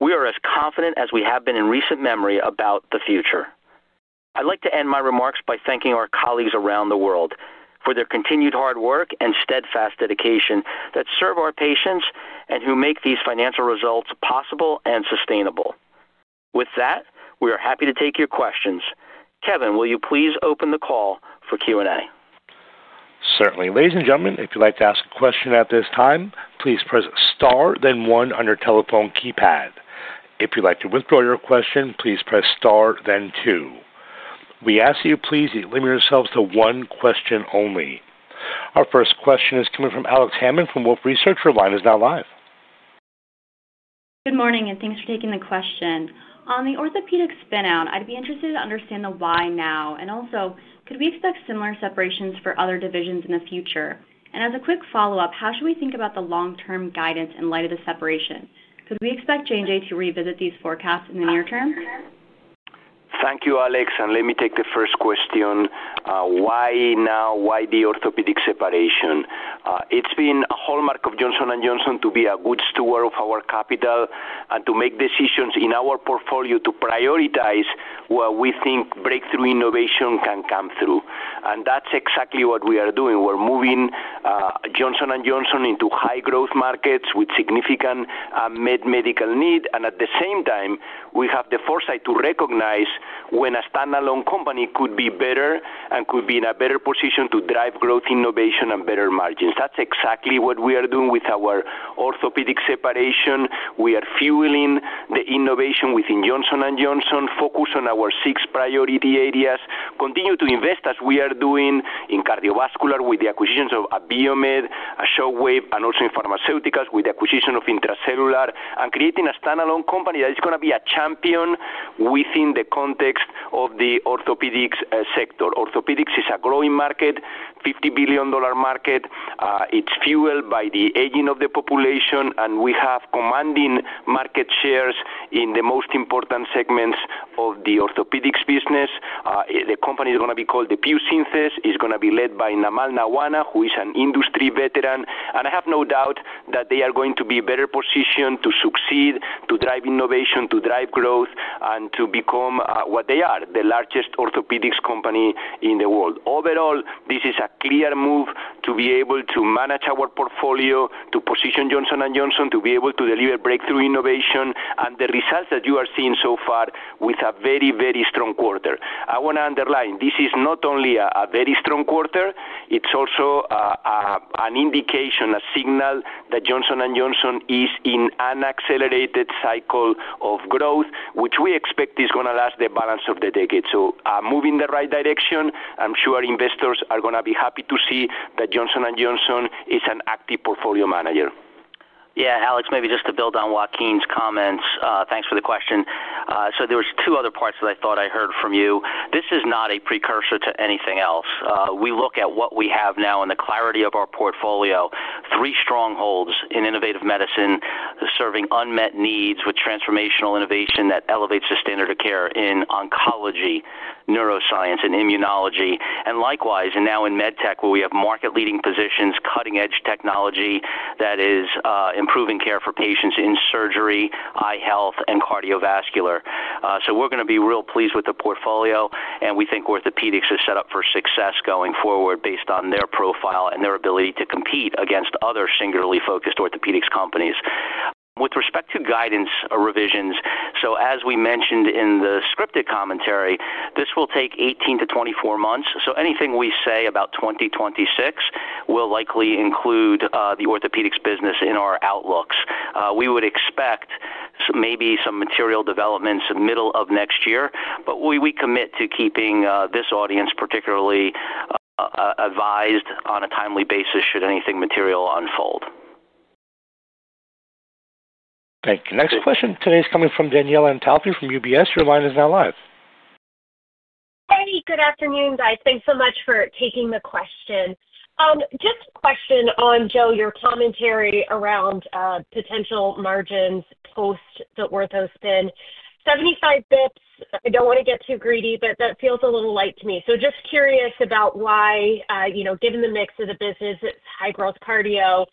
We are as confident as we have been in recent memory about the future. I'd like to end my remarks by thanking our colleagues around the world for their continued hard work and steadfast dedication that serve our patients and who make these financial results possible and sustainable. With that, we are happy to take your questions. Kevin, will you please open the call for Q&A? Certainly. Ladies and gentlemen, if you'd like to ask a question at this time, please. Press star then one on your telephone keypad. If you'd like to withdraw your question, please press star then two. We ask that you please limit yourselves. To one question only. Our first question is coming from Alex Hammond from Wolfe Research. Your line is now. Good morning and thanks for taking the question on the orthopedic spin out. I'd be interested to understand the why now, and also could we expect similar separations for other divisions in the future? As a quick follow up, how should we think about the long term guidance in light of the separation? Could we expect J&J to revisit these forecasts in the near term? Thank you, Alex. Let me take the first question. Why now? Why the orthopedic separation? It's been a hallmark of Johnson & Johnson to be a good steward of our capital and to make decisions in our portfolio to prioritize where we think breakthrough innovation can come through. That's exactly what we are doing. We're moving Johnson & Johnson into high growth markets with significant medical need, and at the same time, we have the foresight to recognize when a standalone company could be better and could be in a better position to drive growth, innovation, and better margins. That's exactly what we are doing with our orthopedic separation. We are fueling the innovation within Johnson & Johnson, focus on our six priority areas, continue to invest as we are doing in cardiovascular with the acquisitions of Abiomed, Shockwave, and also in pharmaceuticals with the acquisition of Intra-Cellular, and creating a standalone company that is going to be a champion within the context of the orthopedics sector. Orthopeadics is a growing market, $50 billion market. It's fueled by the aging of the population, and we have commanding market shares in the most important segments of the orthopedics business. The company is going to be called DePuy Synthes. It's going to be led by Namal Nawana, who is an industry veteran. I have no doubt that they are going to be better positioned to succeed, to drive innovation, to drive growth, and to become what they are, the largest orthopedics company in the world. Overall, this is a clear move to be able to manage our portfolio, to position Johnson & Johnson to be able to deliver breakthrough innovation, and the results that you are seeing so far with a very, very strong quarter. I want to underline this is not only a very strong quarter, it's also an indication, a signal that Johnson & Johnson is in an accelerated cycle of growth, which we expect is going to last the balance of the decade. Moving in the right direction. I'm sure investors are going to be happy to see that Johnson & Johnson is an active portfolio manager. Yes, Alex, maybe just to build on Joaquin's comments. Thanks for the question. There were two other parts that I thought I heard from you. This is not a precursor to anything else. We look at what we have now in the clarity of our portfolio. Three strong strongholds in innovative medicine serving unmet needs with transformational innovation that elevates the standard of care in oncology, neuroscience, and immunology. Likewise, now in MedTech where we have market-leading positions, cutting-edge technology that is improving care for patients in surgery, eye health, and cardiovascular. We are going to be real pleased with the portfolio and we think Orthopaedics is set up for success going forward based on their profile and their ability to compete against other singularly focused orthopedics companies with respect to guidance revisions. As we mentioned in the scripted commentary, this will take 18 nibths-24 months. Anything we say about 2026 will likely include the orthopedics business in our outlooks. We would expect maybe some material developments middle of next year, but we commit to keeping this audience particularly advised on a timely basis should anything material unfold. Thank you. Next question today is coming from Danielle Antalffy from UBS. Your line is now live. Hey, good afternoon, guys. Thanks so much for taking the question. Just a question on Joe, your commentary around potential margins post the ortho spin 75 bps. I don't want to get too greedy, but that feels a little light to me. Just curious about why, you know, given the mix of the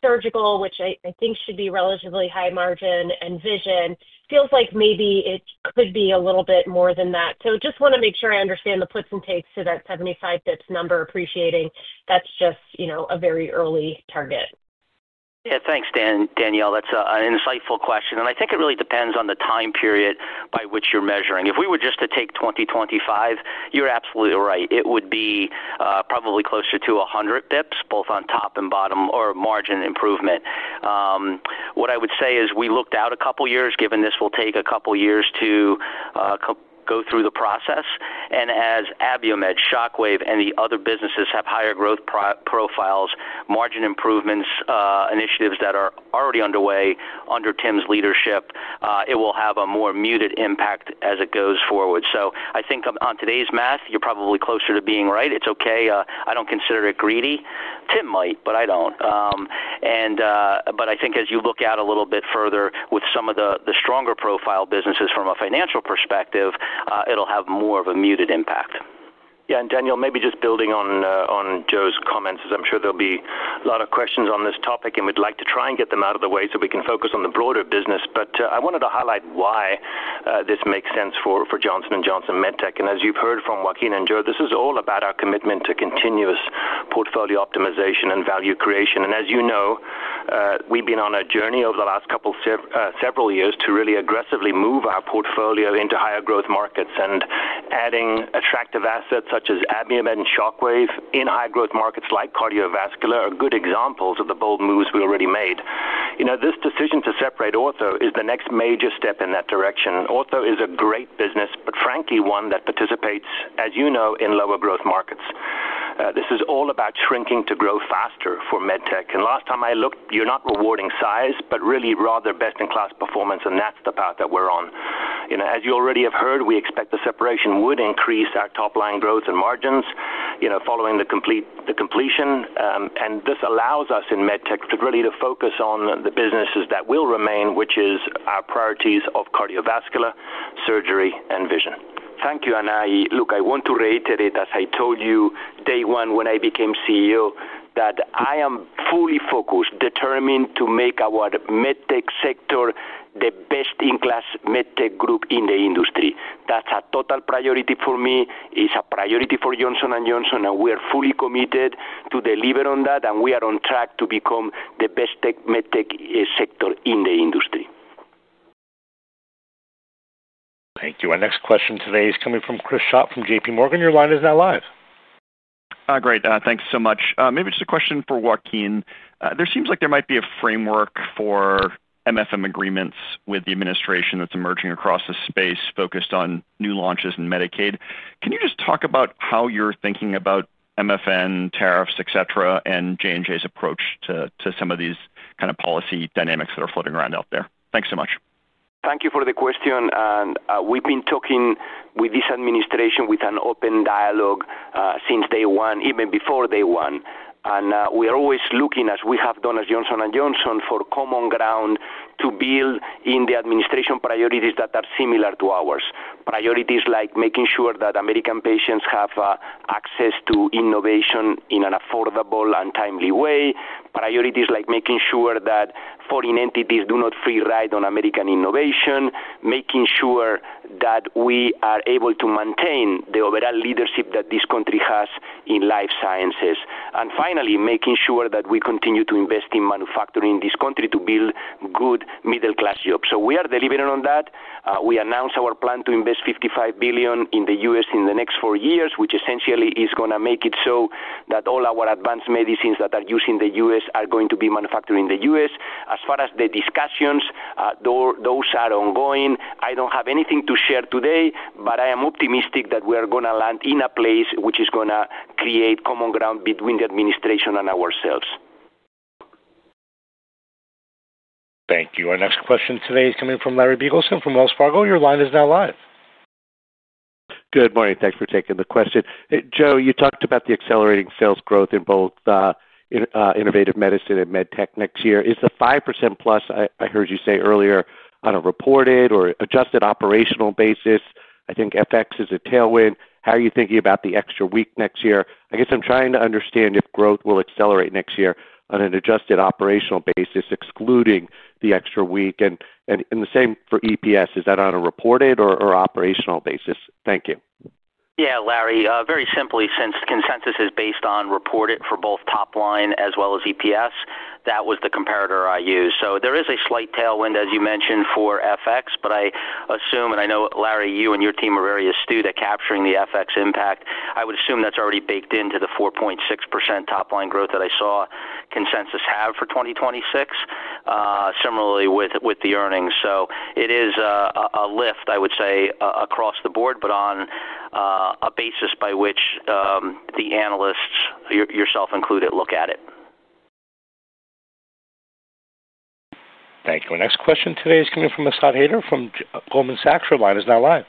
business, it's high growth cardiovascular surgery, which I think should be relatively high margin, and vision feels like maybe it could be a little bit more than that. Just want to make sure I understand the puts and takes to that 75 bps number. Appreciating that's just, you know, a very early target. Yeah, thanks, Danielle le. That's an insightful question and I think it really depends on the time period by which you're measuring. If we were just to take 2025, you're absolutely right, it would be probably closer to 100 bps both on top and bottom or margin improvement. What I would say is we looked out a couple years given this will take a couple years to go through the process. As Abiomed, Shockwave, and the other businesses have higher growth profiles, margin improvements, initiatives that are already underway under Tim's leadership, it will have a more muted impact as it goes forward. I think on today's math, you're probably closer to being right. It's okay. I don't consider it greedy. Tim might, but I don't. I think as you look out a little bit further with some of the stronger profile businesses, from a financial perspective, it'll have more of a muted impact. Yes. Danielle, maybe just building on Joe's. Comments, as I'm sure there'll be a lot of questions on this topic, and we'd like to try and get them out of the way so we can. Focus on the broader business. I wanted to highlight why this makes sense for Johnson & Johnson MedTech, as you've heard from Joaquin. Joe, this is all about our commitment. To continuous portfolio optimization and value creation. As you know, we've been on a journey over the last several years to really aggressively move our portfolio. Into higher growth markets. Adding attractive assets such as Abiomed and Shockwave in high growth markets like cardiovascular are good examples of the bold. Moves we already made in. Now this decision to separate ortho is. The next major step in that direction. Ortho is a great business, frankly. One that participates, as you know, in lower growth markets. This is all about shrinking to grow faster for MedTech. Last time I looked. You're not rewarding size, but really rather. Best-in-class performance. That is the path that we're on. As you already have heard, we expect the separation would increase our top line growth and margins following the completion. This allows us in MedTech really to focus on the businesses that will remain, which is our priorities of cardiovascular surgery and vision. Thank you. I want to reiterate, as I told you day one when I became CEO, that I am fully focused, determined to make our MedTech sector the best-in-class MedTech group in the industry. That is a total priority for me, is a priority for Johnson & Johnson, and we are fully committed to deliver on that. We are on track to become the best MedTech sector in the industry. Thank you. Our next question today is coming from. Chris Schott from JPMorgan. Your line is now live. Great. Thanks so much. Maybe just a question for Joaquin. There seems like there might be a framework for MFM agreements with the administration that's emerging across the space, focused on. New launches in Medicaid. Can you just talk about how you're thinking about MFN tariffs, et cetera, and apprJ & Js approach to some of these kind. Of policy dynamics that are floating around out there. Thanks so much. Thank you for the question. We've been talking with this administration with an open dialogue since day one, even before day one. We are always looking, as we have done as Johnson & Johnson, for common ground to build in the administration priorities that are similar to ours. Priorities like making sure that American patients have access to innovation in an affordable and timely way. Priorities like making sure that foreign entities do not free ride on American innovation. Making sure that we are able to maintain the overall leadership that this country has in life sciences. Finally, making sure that we continue to invest in manufacturing in this country to build good middle class jobs. We are delivering on that. We announced our plan to invest $55 billion in the U.S. in the next four years, which essentially is going to make it so that all our advanced medicines that are used in the U.S. are going to be manufactured in the U.S. As far as the discussions, those are ongoing, I don't have anything to share today, but I am optimistic that we are going to land in a place which is going to create common ground between the administration and ourselves. Thank you. Our next question today is coming from Larry Biegelsen from Wells Fargo. Your line is now live. Good morning. Thanks for taking the question, Joe. You talked about the accelerating sales growth in both Innovative Medicine and MedTech. Next year is the 5%+ I heard you say earlier on a reported. Or adjusted operational basis. I think FX is a tailwind. How are you thinking about the extra week next year? I'm trying to understand if. Growth will accelerate next year. Adjusted operational basis excluding the extra week and the same for EPS. Is that on a reported or operational basis? Thank you. Yeah, Larry, very simply, since consensus is based on reported for both top line as well as EPS, that was the comparator I used. There is a slight tailwind, as you mentioned, for FX. I assume, and I know, Larry, you and your team are very astute at capturing the FX impact. I would assume that's already baked into the 4.6% top line growth that I saw consensus have for 2026, similarly with the earnings. It is a lift, I would say across the board, but on a basis by which the analysts, yourself included, look at it. Thank you. Our next question today is coming from. Asad Haider from Goldman Sachs, line is now live.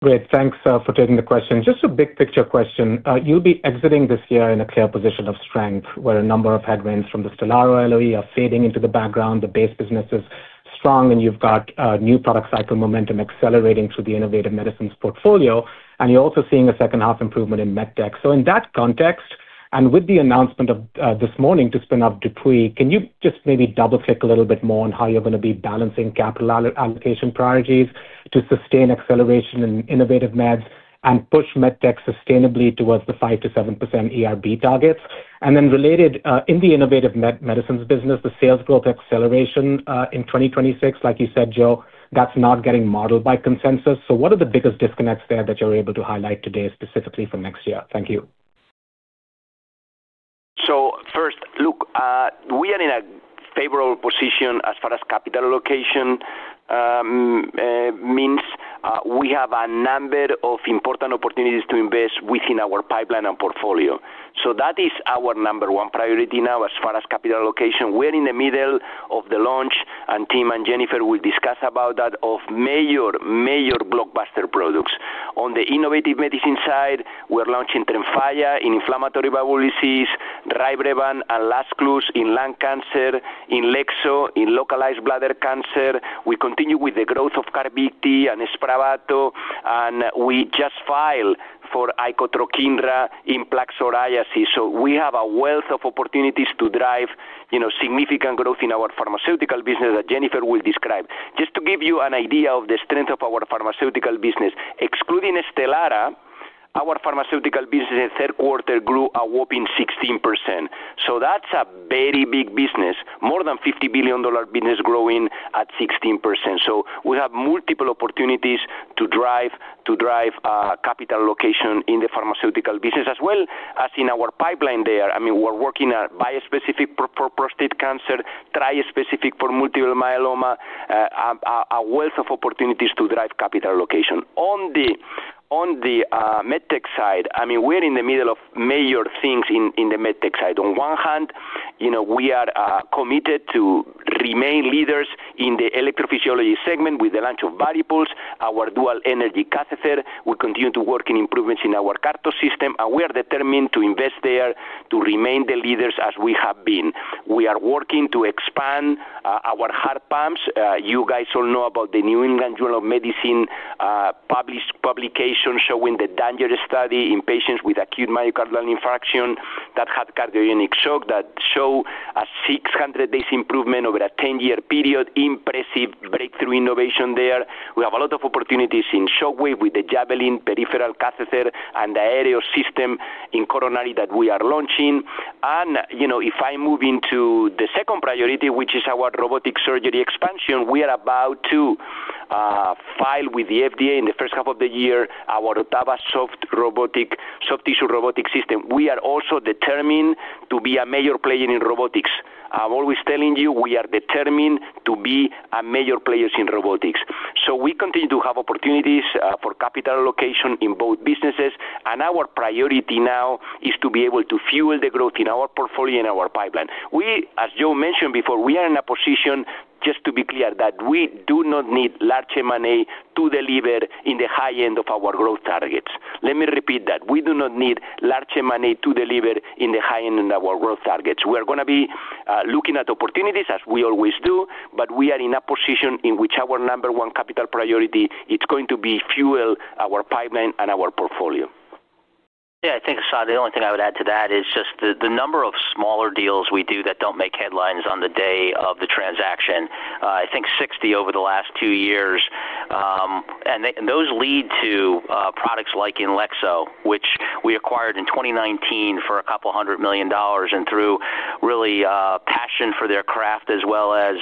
Great, thanks for taking the question. Just a big picture question. You'll be exiting this year in a clear position of strength where a number of headwinds from the STELARA LOE are. Fading into the background. The base business is strong, and you've got new product cycle momentum accelerating through. The innovative medicines portfolio and you're also. Seeing a second half improvement in MedTech. In that context and with the. Announcement of this morning to spin off. Can you just maybe double click a little bit more on how you're. Going to be balancing capital allocation priorities to sustain acceleration in Innovative Medicine. Push MedTech sustainably towards the 5%-7% ERB targets. Related in the Innovative Medicines. Business, the sales growth acceleration in 2026. Like you said, Joe, that's not getting modeled by consensus. What are the biggest disconnect there? That you're able to highlight today specifically for next year? Thank you. First look, we are in a favorable position as far as capital allocation means we have a number of important opportunities to invest within our pipeline and portfolio. That is our number one priority. Now as far as capital allocation, we're in the middle of the launch and Tim and Jennifer will be discussing that of major, major blockbuster products. On the Innovative Medicine side, we're launching TREMFYA in inflammatory bowel disease, RYBREVANT and LAZCLUZE in lung cancer, INLEXZO in localized bladder cancer. We continue with the growth of CARVYKTI and SPRAVATO and we just filed for icotrokinra in plaque psoriasis. We have a wealth of opportunities to drive significant growth in our pharmaceutical business that Jennifer will describe. Just to give you an idea of the strength of our pharmaceutical business, excluding STELARA, our pharmaceutical business in the third quarter grew a whopping 16%. That's a very big business. More than $50 billion business growing at 16%. We have multiple opportunities to drive capital allocation in the pharmaceutical business as well as in our pipeline there. We're working on bispecific for prostate cancer, trispecific for multiple myeloma. A wealth of opportunities to drive capital allocation on the MedTech side. We're in the middle of major things in the MedTech side. On one hand, we are committed to remain leaders in the electrophysiology segment. With the launch of VARIPULSE, our dual energy company, we continue to work in improvements in our CARTO system and we are determined to invest there to remain the leaders as we have been. We are working to expand our heart pumps. You guys all know about the New England Journal of Medicine publication showing the DanGer study in patients with acute myocardial infarction that had cardiogenic shock that showed a 600 days improvement over a 10 year period. Impressive breakthrough innovation there. We have a lot of opportunities in Shockwave with the Javelin peripheral catheter and the AERIO system in coronary that we are launching. If I move into the second priority, which is our robotic surgery expansion, we are about to file with the FDA in the first half of the year our OTTAVA soft tissue robotic system. We are also determined to be a major player in robotics. Always telling you we are determined to be a major player in robotics. We continue to have opportunities for capital allocation in both businesses, and our priority now is to be able to fuel the growth in our portfolio and our pipeline. As Joe mentioned before, we are in a position, just to be clear, that we do not need large M&A to deliver in the high end of our growth targets. Let me repeat that: we do not need large M&A to deliver in the high end of our growth targets. We are going to be looking at opportunities as we always do, but we are in a position in which our number one capital priority is going to be to fuel our pipeline and our portfolio. Yeah, I think the only thing I would add to that is just the number of smaller deals we do that don't make headlines on the day of the transaction. I think 60 over the last two years. Those lead to products like INLEXZO, which we acquired in 2019 for a couple hundred million dollars. Through really passion for their craft as well as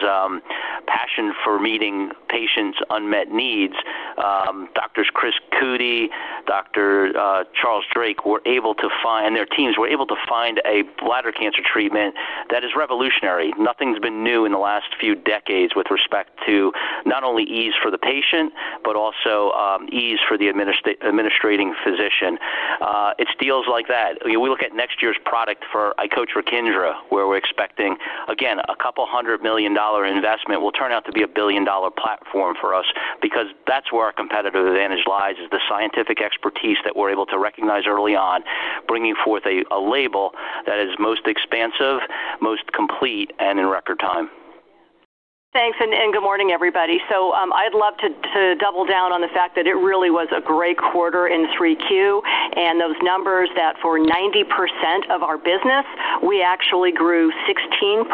passion for meeting patients' unmet needs, Doctors Chris Cootie and Dr. Charles Drake and their teams were able to find a bladder cancer treatment that is revolutionary. Nothing's been new in the last few decades with respect to not only ease for the patient, but also ease for the administrating physician. It's deals like that. We look at next year's product for icotrokinra where we're expecting again a couple hundred million dollar investment will turn out to be a billion dollar platform for us because that's where our competitive advantage lies, is the scientific expertise that we're able to recognize early on, bringing forth a layer that is most expansive, most complete and in record time. Thanks and good morning everybody. I'd love to double down on the fact that it really was a great quarter in 3Q and those numbers that for 90% of our business we actually grew 16%.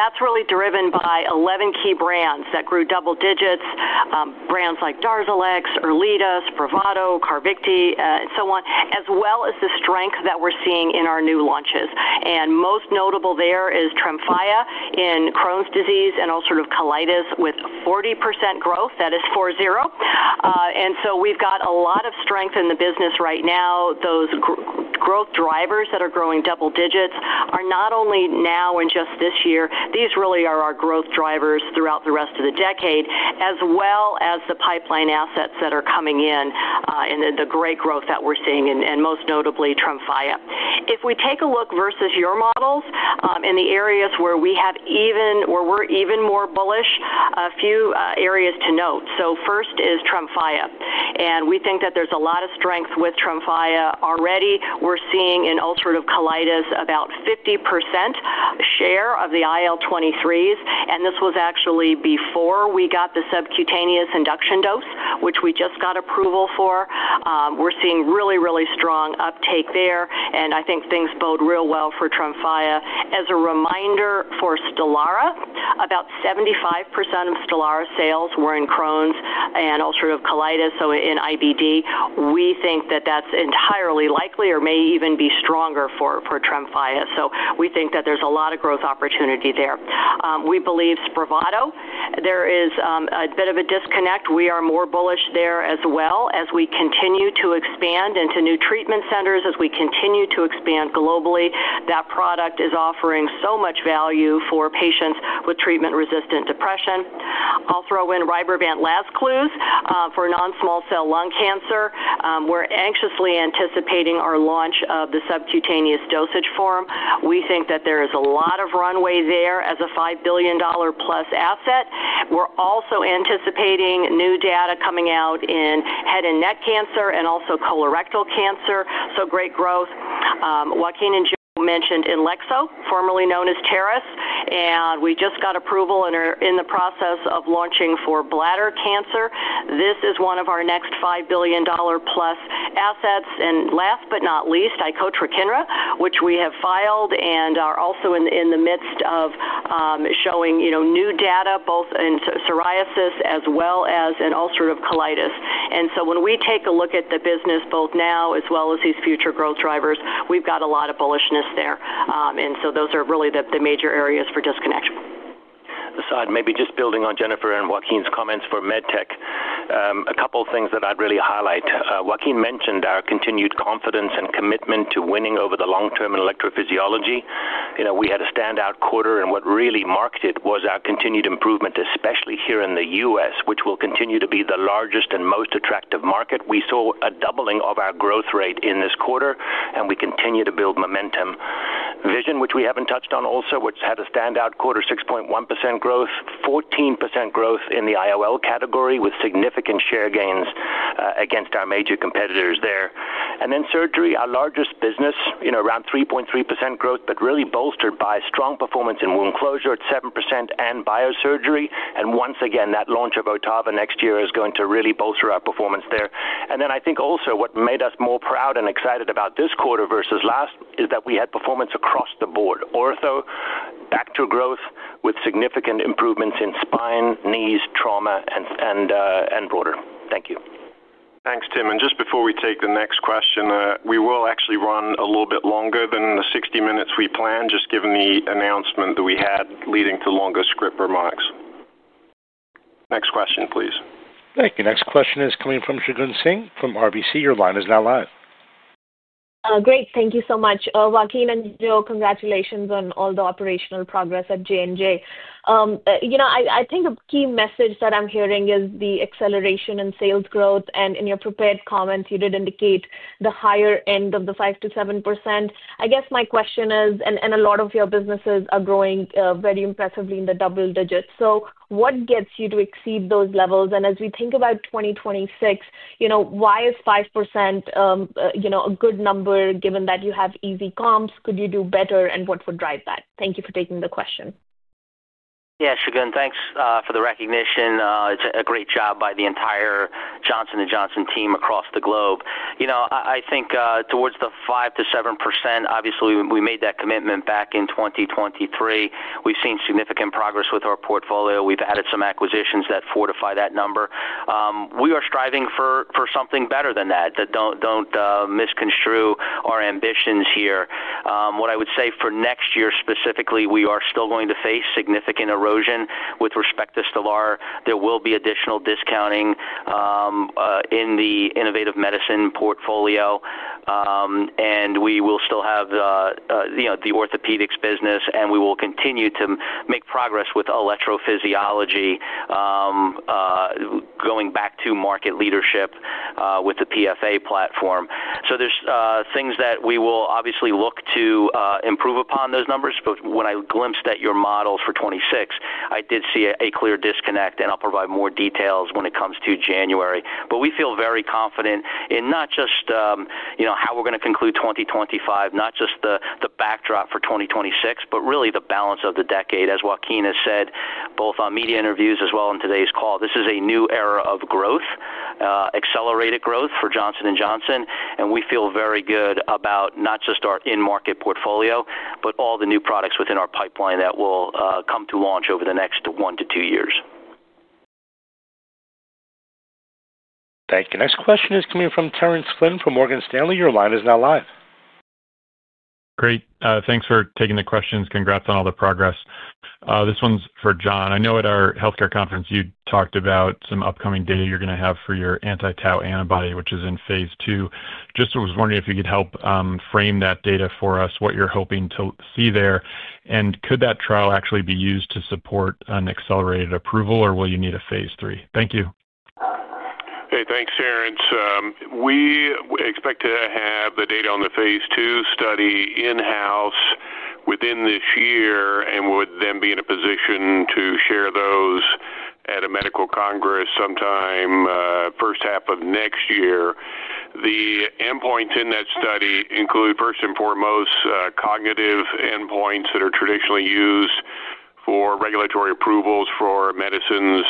That's really driven by 11 key brands that grew double digits, brands like DARZALEX, ERLEADA, SPRAVATO, CARVYKTI and so on, as well as the strength that we're seeing in our new launches. Most notable there is TREMFYA in Crohn's disease and ulcerative colitis with 40% growth, that is four zero We've got a lot of strength in the business right now. Those growth drivers that are growing double digits are not only now and just this year. These really are our growth drivers throughout the rest of the decade as well as the pipeline assets that are coming in and the great growth that we're seeing and most notably TREMFYA. If we take a look versus your models in the areas where we are even more bullish, a few areas to note. First is TREMFYA. We think that there's a lot of strength with TREMFYA. Already we're seeing in ulcerative colitis about 50% share of the IL-23s. This was actually before we got the subcutaneous induction dose which we just got approval for. We're seeing really, really strong uptake there. I think things bode real well for TREMFYA. As a reminder, for STELARA, about 75% of STELARA sales were in Crohn's and ulcerative colitis. In IBD, we think that that's entirely likely or may even be stronger for TREMFYA. We think that there's a lot of growth opportunity there. We believe SPRAVATO, there is a bit of a disconnect. We are more bullish there as well as we continue to expand into new treatment centers. As we continue to expand globally, that product is offering so much value for patients with treatment-resistant depression. I'll throw in RYBREVANT last quarter for non-small cell lung cancer. We're anxiously anticipating our launch of the subcutaneous dosage form. We think that there is a lot of runway there as a $5 billion+ asset. We're also anticipating new data coming out in head and neck cancer and also colorectal cancer. Great growth. Joaquin and Joe mentioned INLEXZO, formerly known as Tarisu, and we just got approval and are in the process of launching for bladder cancer. This is one of our billion plus assets. Last but not least, icotrokinra, which we have filed and are also in the midst of showing new data both in psoriasis as well as in ulcerative colitis. When we take a look at the business both now as well as these future growth drivers, we've got a lot of bullishness there and those are really the major areas for disconnect. Asad, maybe just building on Jennifer and Joaquin's comments for MedTech, a couple of. Things that I'd really highlight. Joaquin mentioned our continued confidence and commitment. To winning over the long term. In electrophysiology, we had a standout quarter, and what really marked it was our continued improvement, especially here in the U.S. Which will continue to be the largest. The most attractive market. We saw a doubling of our growth rate in this quarter, and we continue. To build momentum in vision, which we haven't touched on, also, which had a standout. Quarter, 62 point growth, 14% growth in the IOL category with significant share gains against our major competitors there. Surgery, our largest business, you know around 3.3% growth but really bolstered by strong performance in wound closure at 7% and biosurgery. That launch of OTTAVA next year is going to really bolster our performance there. I think also what made us more proud and excited about this quarter versus last is that we had performance across the board. Ortho back to growth with significant improvements in spine, knees, trauma and broader. Thank you. Thanks, Tim. Just before we take the next question, we will actually run a little bit longer than the 60 minutes we planned, given the announcement that we had leading to longer script remarks. Next question, please. Thank you. Next question is coming from Shagun Singh from RBC. Your line is now live. Great. Thank you so much. Joaquin and Joe, congratulations on all the operational progress at Johnson & Johnson. I think a key message that I'm hearing is the acceleration in sales growth. In your prepared comments, you did indicate the higher end of the 5%-7%. I guess my question is, a lot of your businesses are growing very impressively in the double digits. What gets you to exceed those levels? As we think about 2026, why is 5% a good number? Given that you have easy comps, could you do better and what would drive that? Thank you for taking the question. Yeah, Shagun, thanks for the recognition. It's a great job by the entire Johnson & Johnson team across the globe. I think towards the 5%-7%, obviously we made that commitment back in 2023. We've seen significant progress with our portfolio. We've added some activity acquisitions that fortify that number. We are striving for something better than that. Don't misconstrue our ambitions here. What I would say for next year specifically, we are still going to face significant erosion with respect to STELARA. There will be additional discounting in the Innovative Medicine portfolio and we will still have the orthopedics business. We will continue to make progress with electrophysiology going back to market leadership with the PFA platform. There are things that we will obviously look to improve upon those numbers. When I glimpsed at your models for 2026, I did see a clear disconnect and I'll provide more details when it comes to January. We feel very confident in not just how we're going to conclude 2025, not just the backdrop for 2026, but really the balance of the decade. As Joaquin has said, both on media interviews as well as on today's call, this is a new era of growth, accelerated growth for Johnson & Johnson. We feel very good about not just our in-market portfolio, but all the new products within our pipeline that will come to launch over the next one to two years. Thank you. Next question is coming from Terence Flynn from Morgan Stanley. Your line is now live. Great, thanks for taking the questions. Congrats on all the progress. This one's for John. I know at our healthcare conference you Talked about some upcoming data you're going to have for your anti-Tau antibody which is in phase two. Just was wondering if you could help frame that data for us, what you're. Hoping to see you there. Could that trial actually be used to support an accelerated approval, or will you need a phase three? Thank you. Hey, thanks, Terence. We expect to have the data on the phase two study in house within this year and would then be in a position to share those at a medical congress sometime first half of next year. The endpoints in that study include, first and foremost, cognitive endpoints that are traditionally used for regulatory approvals for medicines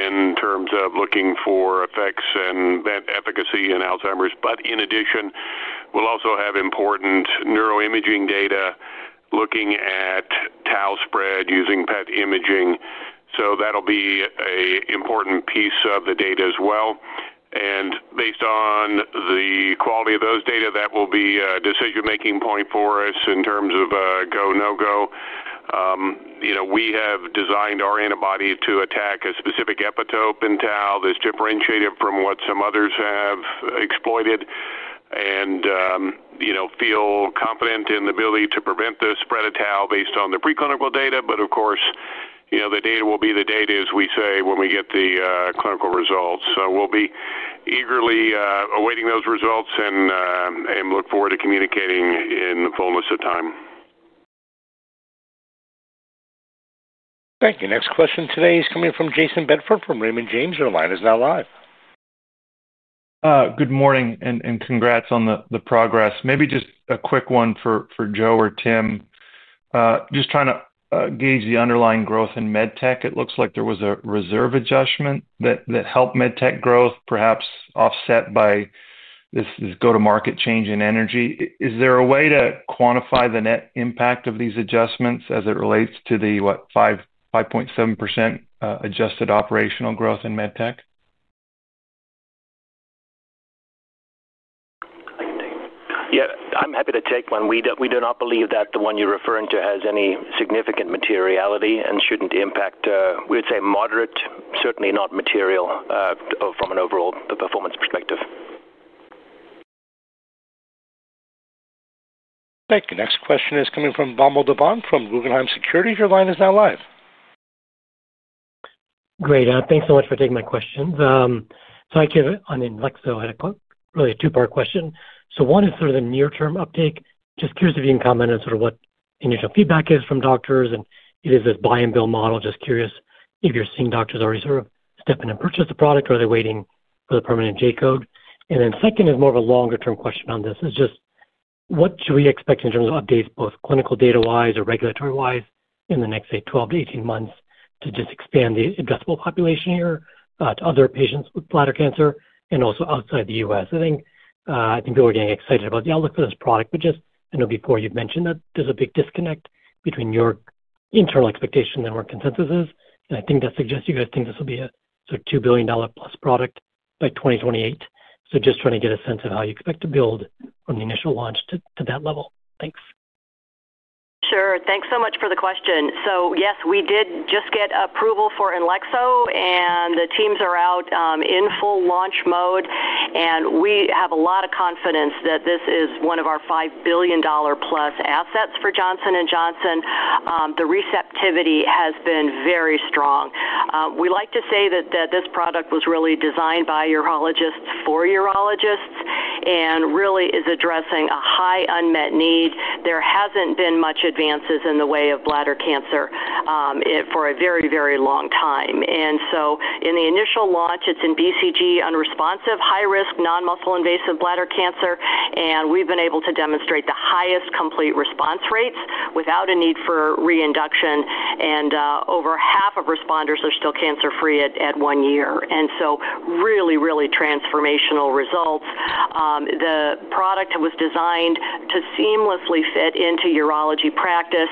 in terms of looking for effects and efficacy in Alzheimer's. In addition, we'll also have important neuroimaging data looking at tau spread using PET imaging. That'll be an important piece of the data as well. Based on the quality of those data, that will be a decision-making point for us in terms of go, no go. We have designed our antibody to attack a specific epitope in tau that's differentiated from what some others have exploited and feel confident in the ability to prevent the spread of tau based on the preclinical data. Of course, the data will be the data, as we say, when we get the clinical results. We'll be eagerly awaiting those results and look forward to communicating in the fullness of time. Thank you. Next question today is coming from Jayson. Bedford from Raymond James. Line is now live. Good morning and congrats on the progress. Maybe just a quick one for Joe or Tim. Just trying to gauge the underlying growth in MedTech. It looks like there was a reserve adjustment that helped MedTech growth perhaps offset. By this go-to-market change in Energy. Is there a way to quantify the net impact of these adjustments as it relates to the 5.7% adjusted operational growth in MedTech? Yeah, I'm happy to take one. We do not believe that the one you're referring to has any significant materiality and shouldn't impact. We would say moderate to certainly not. Material from an overall performance perspective. Next question is coming from Vamil Divan from Guggenheim Securities. Your line is now live. Great, thanks so much for taking my questions. So I mean INLEXZO had really a two part question. One is sort of the near term uptake. Just curious if you can comment on sort of what initial feedback is from doctors and if this is this buy and build model. Just curious if you're seeing doctors already sort of step in and purchase the product or are they waiting for the permanent J code. The second is more of a longer term question on this, just what should we expect in terms of updates both clinical data wise or regulatory wise in the next, say, 12 months-18 months to just expand the addressable population here to other patients with bladder cancer and also outside the U.S. I think people are getting excited about the outlook for this product. I know before you've mentioned that there's a big disconnect between your internal expectations and what consensus is. I think that suggests you guys think this will be a $2 billion+ product by 2028. Just trying to get a sense of how you expect to build from the initial launch to that level. Thanks. Sure. Thanks so much for the question. Yes, we did just get approval for INLEXZO and the teams are out in full launch mode. We have a lot of confidence that this is one of our $5 billion+ assets for Johnson & Johnson. The receptivity has been very strong. We like to say that this product was really designed by urologists for urologists and really is addressing a high unmet need. There hasn't been much advances in the way of bladder cancer for a very, very long time. In the initial launch, it's in BCG-unresponsive high-risk non-muscle invasive bladder cancer. We've been able to demonstrate the highest complete response rates without a need for re-induction, and over half of responders are still cancer free at one year. These are really transformational results. The product was designed to seamlessly fit into urology practice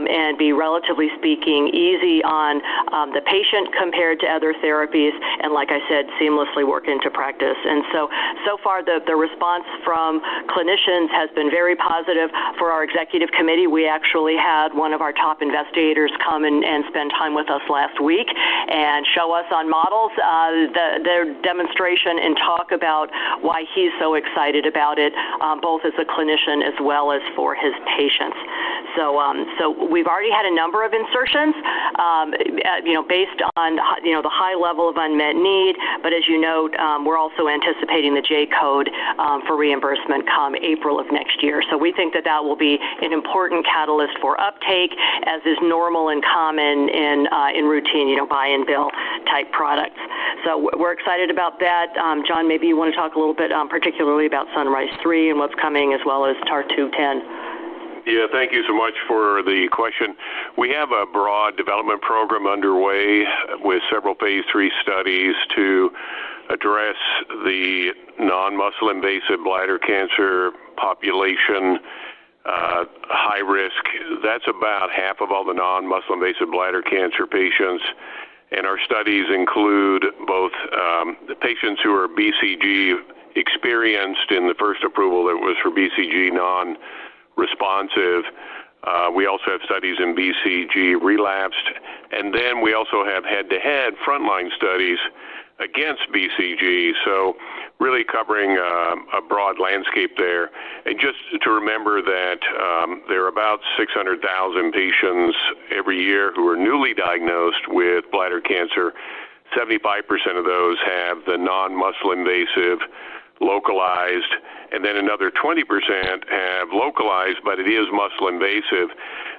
and be, relatively speaking, easy on the patient compared to other therapies and, like I said, seamlessly work into practice. So far, the response from clinicians has been very positive. For our Executive Committee, we actually had one of our top investigators come and spend time with us last week and show us on models their demonstration and talk about why he's so excited about it, both as a clinician as well as for his patients. We've already had a number of insertions based on the high level of unmet need. As you note, we're also anticipating the J code for reimbursement come April of next year. We think that will be an important catalyst for uptake, as is normal and common in routine buy and bill type program. We're excited about that. John, maybe you want to talk a little bit particularly about SUNRISE-3 and what's coming as well as TAR-210. Yeah, thank you so much for the question. We have a broad development program underway with several phase three studies to address the non-muscle invasive bladder cancer population, high risk. That's about half of all the non-muscle invasive bladder cancer patients. Our studies include both the patients who are BCG experienced. In the first approval, that was for BCG non-responsive. We also have studies in BCG relapsed, and we also have head-to-head frontline studies against BCG, really covering a broad landscape there. Just to remember that there are about 600,000 patients every year who are newly diagnosed with bladder cancer. 75% of those have the non-muscle invasive localized, and then another 20% have localized, but it is muscle invasive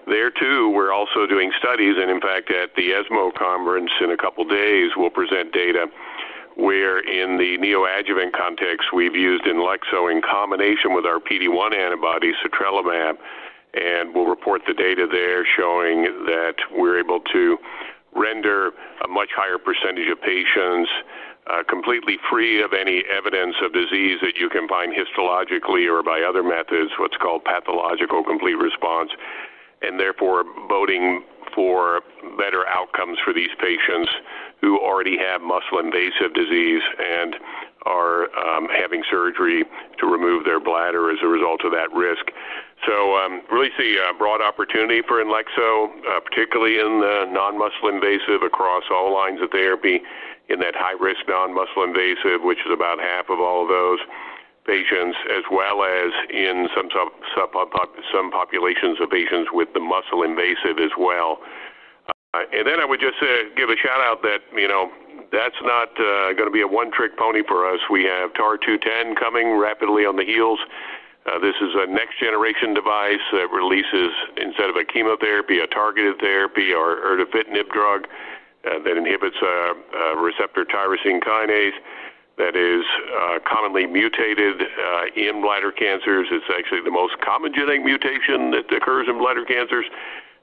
there too. We're also doing studies, and in fact at the ESMO conference in a couple days, we'll present data where in the neoadjuvant context we've used INLEXZO in combination with our PD-1 antibody, citralumab, and we'll report the data there showing that we're able to render a much higher percentage of patients completely free of any evidence of disease that you can find histologically or by other methods, what's called pathological complete response, and therefore voting for better outcomes for these patients who already have muscle invasive disease and are having surgery to remove their bladder as a result of that risk. Really see a broad opportunity for INLEXZO, particularly in the non-muscle invasive across all lines of therapy in that high risk non-muscle invasive, which is about half of all those patients, as well as in some populations of patients with the muscle invasive as well. I would just give a shout out that you know, that's not going to be a one trick pony for us. We have TAR210 coming rapidly on the heels. This is a next generation device that releases instead of a chemotherapy, a targeted therapy or ertifitinib drug that inhibits receptor tyrosine kinase that is commonly mutated in bladder cancers. It's actually the most common genetic mutation that occurs in bladder cancers.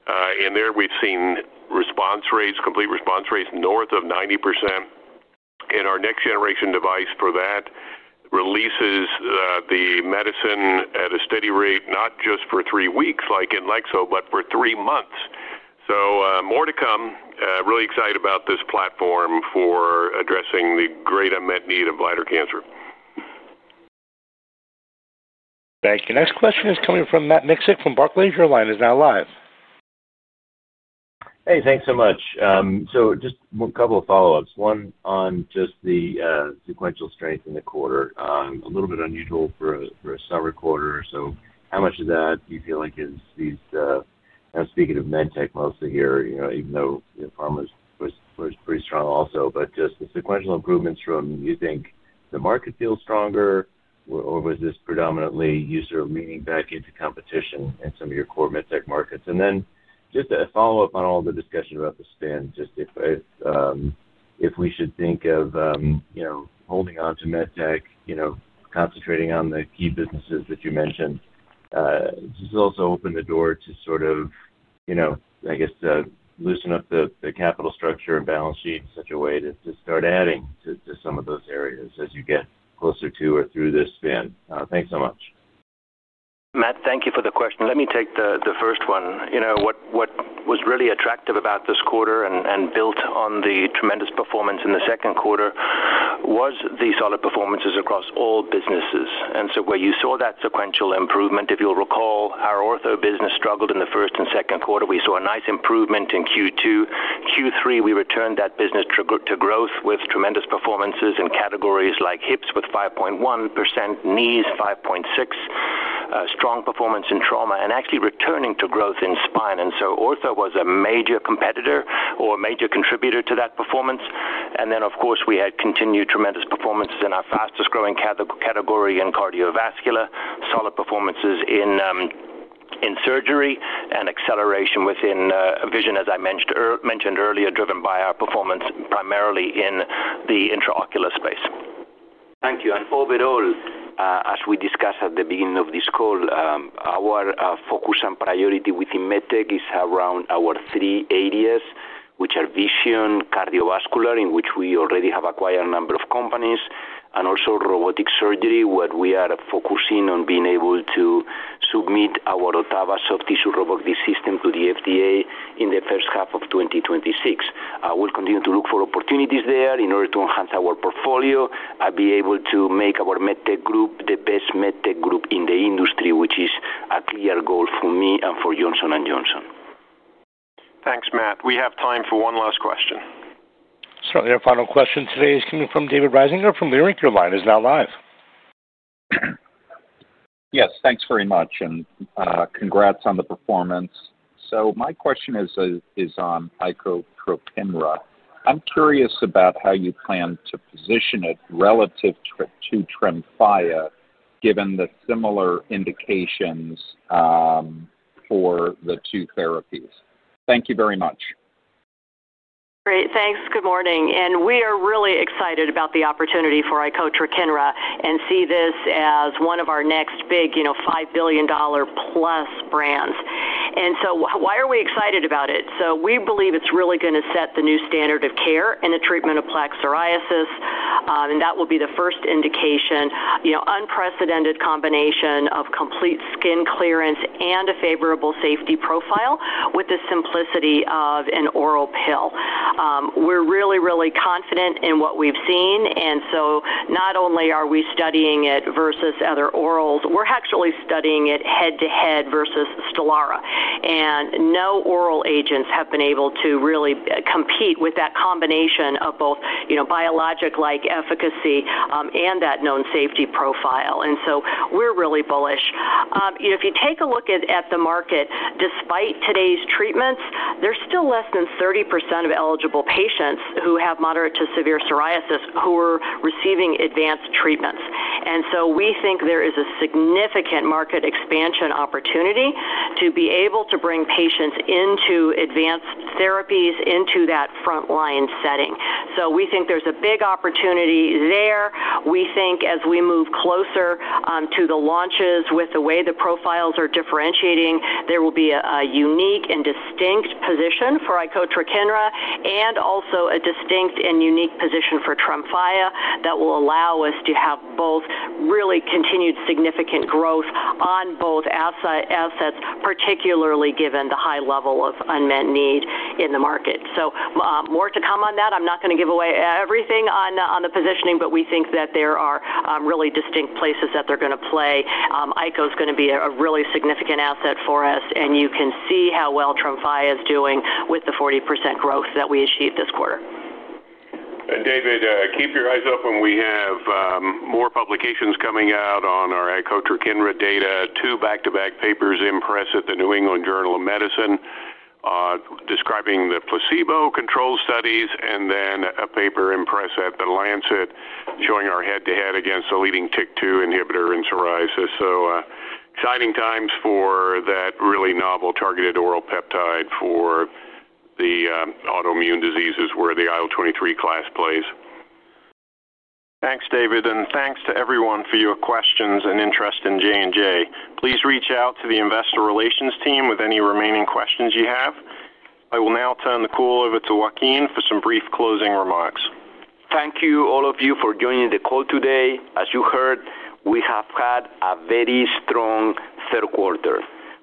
There we've seen response rates, complete response rates north of 90%. Our next generation device for that releases the medicine at a steady rate not just for three weeks like INLEXZO, but for three months. More to come. Really excited about this platform for addressing the great unmet need of bladder cancer. Thank you. Next question is coming from Matt Micksic from Barclays. Your line is now live. Hey, thanks so much. Just a couple of follow ups. One on just the sequential strength in. The quarter, a little bit unusual for a summer quarter. How much of that do you? feel like is these speaking of MedTech mostly here, even though pharma was pretty strong also, just the sequential improvements. Do you think the market feels stronger, or was this predominantly user leaning back? Into competition in some of your core MedTech markets? Just a follow up on. All the discussion about the spin, just if we should think of holding onto. MedTech, concentrating on the key businesses that you mentioned, this also opens the door to sort of, I guess, loosen up the capital structure and balance sheet in. Such a way to start adding to some of those areas as you get. Closer to or through this spin. Thanks so much, Matt. Thank you for the question. Let me take the first one. What was really attractive about this quarter and built on the tremendous performance in the second quarter was the solid performances across all businesses. Where you saw that sequential improvement, if you'll recall, our ortho business struggled in the first and second quarter. We saw a nice improvement in Q2, Q3. We returned that business to growth with tremendous performances in categories like hips with 5.1%, knees, 5.6%, strong performance in trauma and actually returning to growth in spine. Ortho was a major contributor to that performance. Of course, we had continued. Tremendous performances in our fastest growing category in cardiovascular, solid performances in surgery. Acceleration within vision, as I mentioned. Earlier, driven by our performance primarily in the intraocular space. Thank you. Overall, as we discussed at the beginning of this call, our focus and priority within MedTech is around our three areas, which are vision, cardiovascular, in which we already have acquired a number of companies, and also robotic surgery, where we are focusing on being able to support our OTTAVA soft tissue robotic system to the FDA in the first half of 2026. We will continue to look for opportunities there in order to enhance our portfolio and be able to make our MedTech group the best MedTech group in the industry, which is a clear goal for me and for Johnson & Johnson. Thanks, Matt. We have time for one last question. Certainly. Our final question today is coming from. David Risinger from Leerink. Your line is now live. Yes, thanks very much, and congrats on the performance. My question is on icotrokinra. I'm curious about how you plan to position it relative to TREMFYA given the. Similar indications. For the two therapies. Thank you very much. Great, thanks. Good morning. We are really excited about the opportunity for icotrokinra and see this as one of our next big, you know, $5 billion+ brands. Why are we excited about it? We believe it's really going to set the new standard of care in the treatment of plaque psoriasis, and that will be the first indication. You know, unprecedented combination of complete skin clearance and a favorable safety profile. With the simplicity of an oral pill, we're really, really confident in what we've seen. Not only are we studying it versus other orals, we're actually studying it head to head versus STELARA, and no oral agents have been able to really compete with that combination of both biologic-like efficacy and that known safety profile. We're really bullish. If you take a look at the market, despite today's treatments, there's still less than 30% of eligible patients who have moderate to severe psoriasis who are receiving advanced treatments. We think there is a significant market expansion opportunity to be able to bring patients into advanced therapies into that frontline setting. We think there's a big opportunity there. As we move closer to the launches, with the way the profile is differentiating, there will be a unique and distinct position for icotrokinra and also a distinct and unique position for TREMFYA that will allow us to have both really continued significant growth on both assets, particularly given the high level of unmet need in the market. More to come on that. I'm not going to give away everything on the positioning, but we think that there are really distinct places that they're going to play. Icatrekibart is going to be a really significant asset for us, and you can see how well TREMFYA is doing with the 40% growth that we achieved this quarter. David, keep your eyes open. We have more publications coming out on our icotrokinra data. Two back to back papers in press at the New England Journal of Medicine describing the placebo-controlled studies, and then a paper in press at The Lancet showing our head to head against the leading TYK2 inhibitor in psoriasis. Exciting times for that really novel targeted oral peptide for the autoimmune diseases where the IL-23 class plays. Thanks David, and thanks to everyone for your questions and interest in J & J. Please reach out to the Investor Relations team with any remaining questions you have. I will now turn the call over to Joaquin for some brief closing remarks. Thank you all of you for joining the call today. As you heard, we have had a very strong third quarter.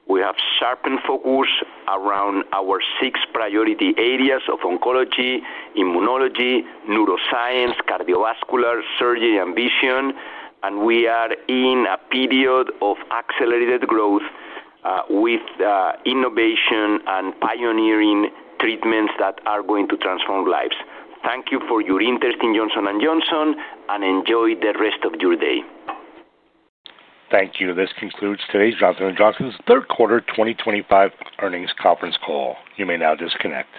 We have sharpened focus around our six priority areas of oncology, immunology, neuroscience, cardiovascular surgery, and vision. We are in a period of accelerated growth with innovation and pioneering treatments that are going to transform lives. Thank you for your interest in Johnson & Johnson and enjoy the rest of your day. Thank you. This concludes today's Johnson & Johnson's third. Quarter 2025 earnings conference call. You may now disconnect.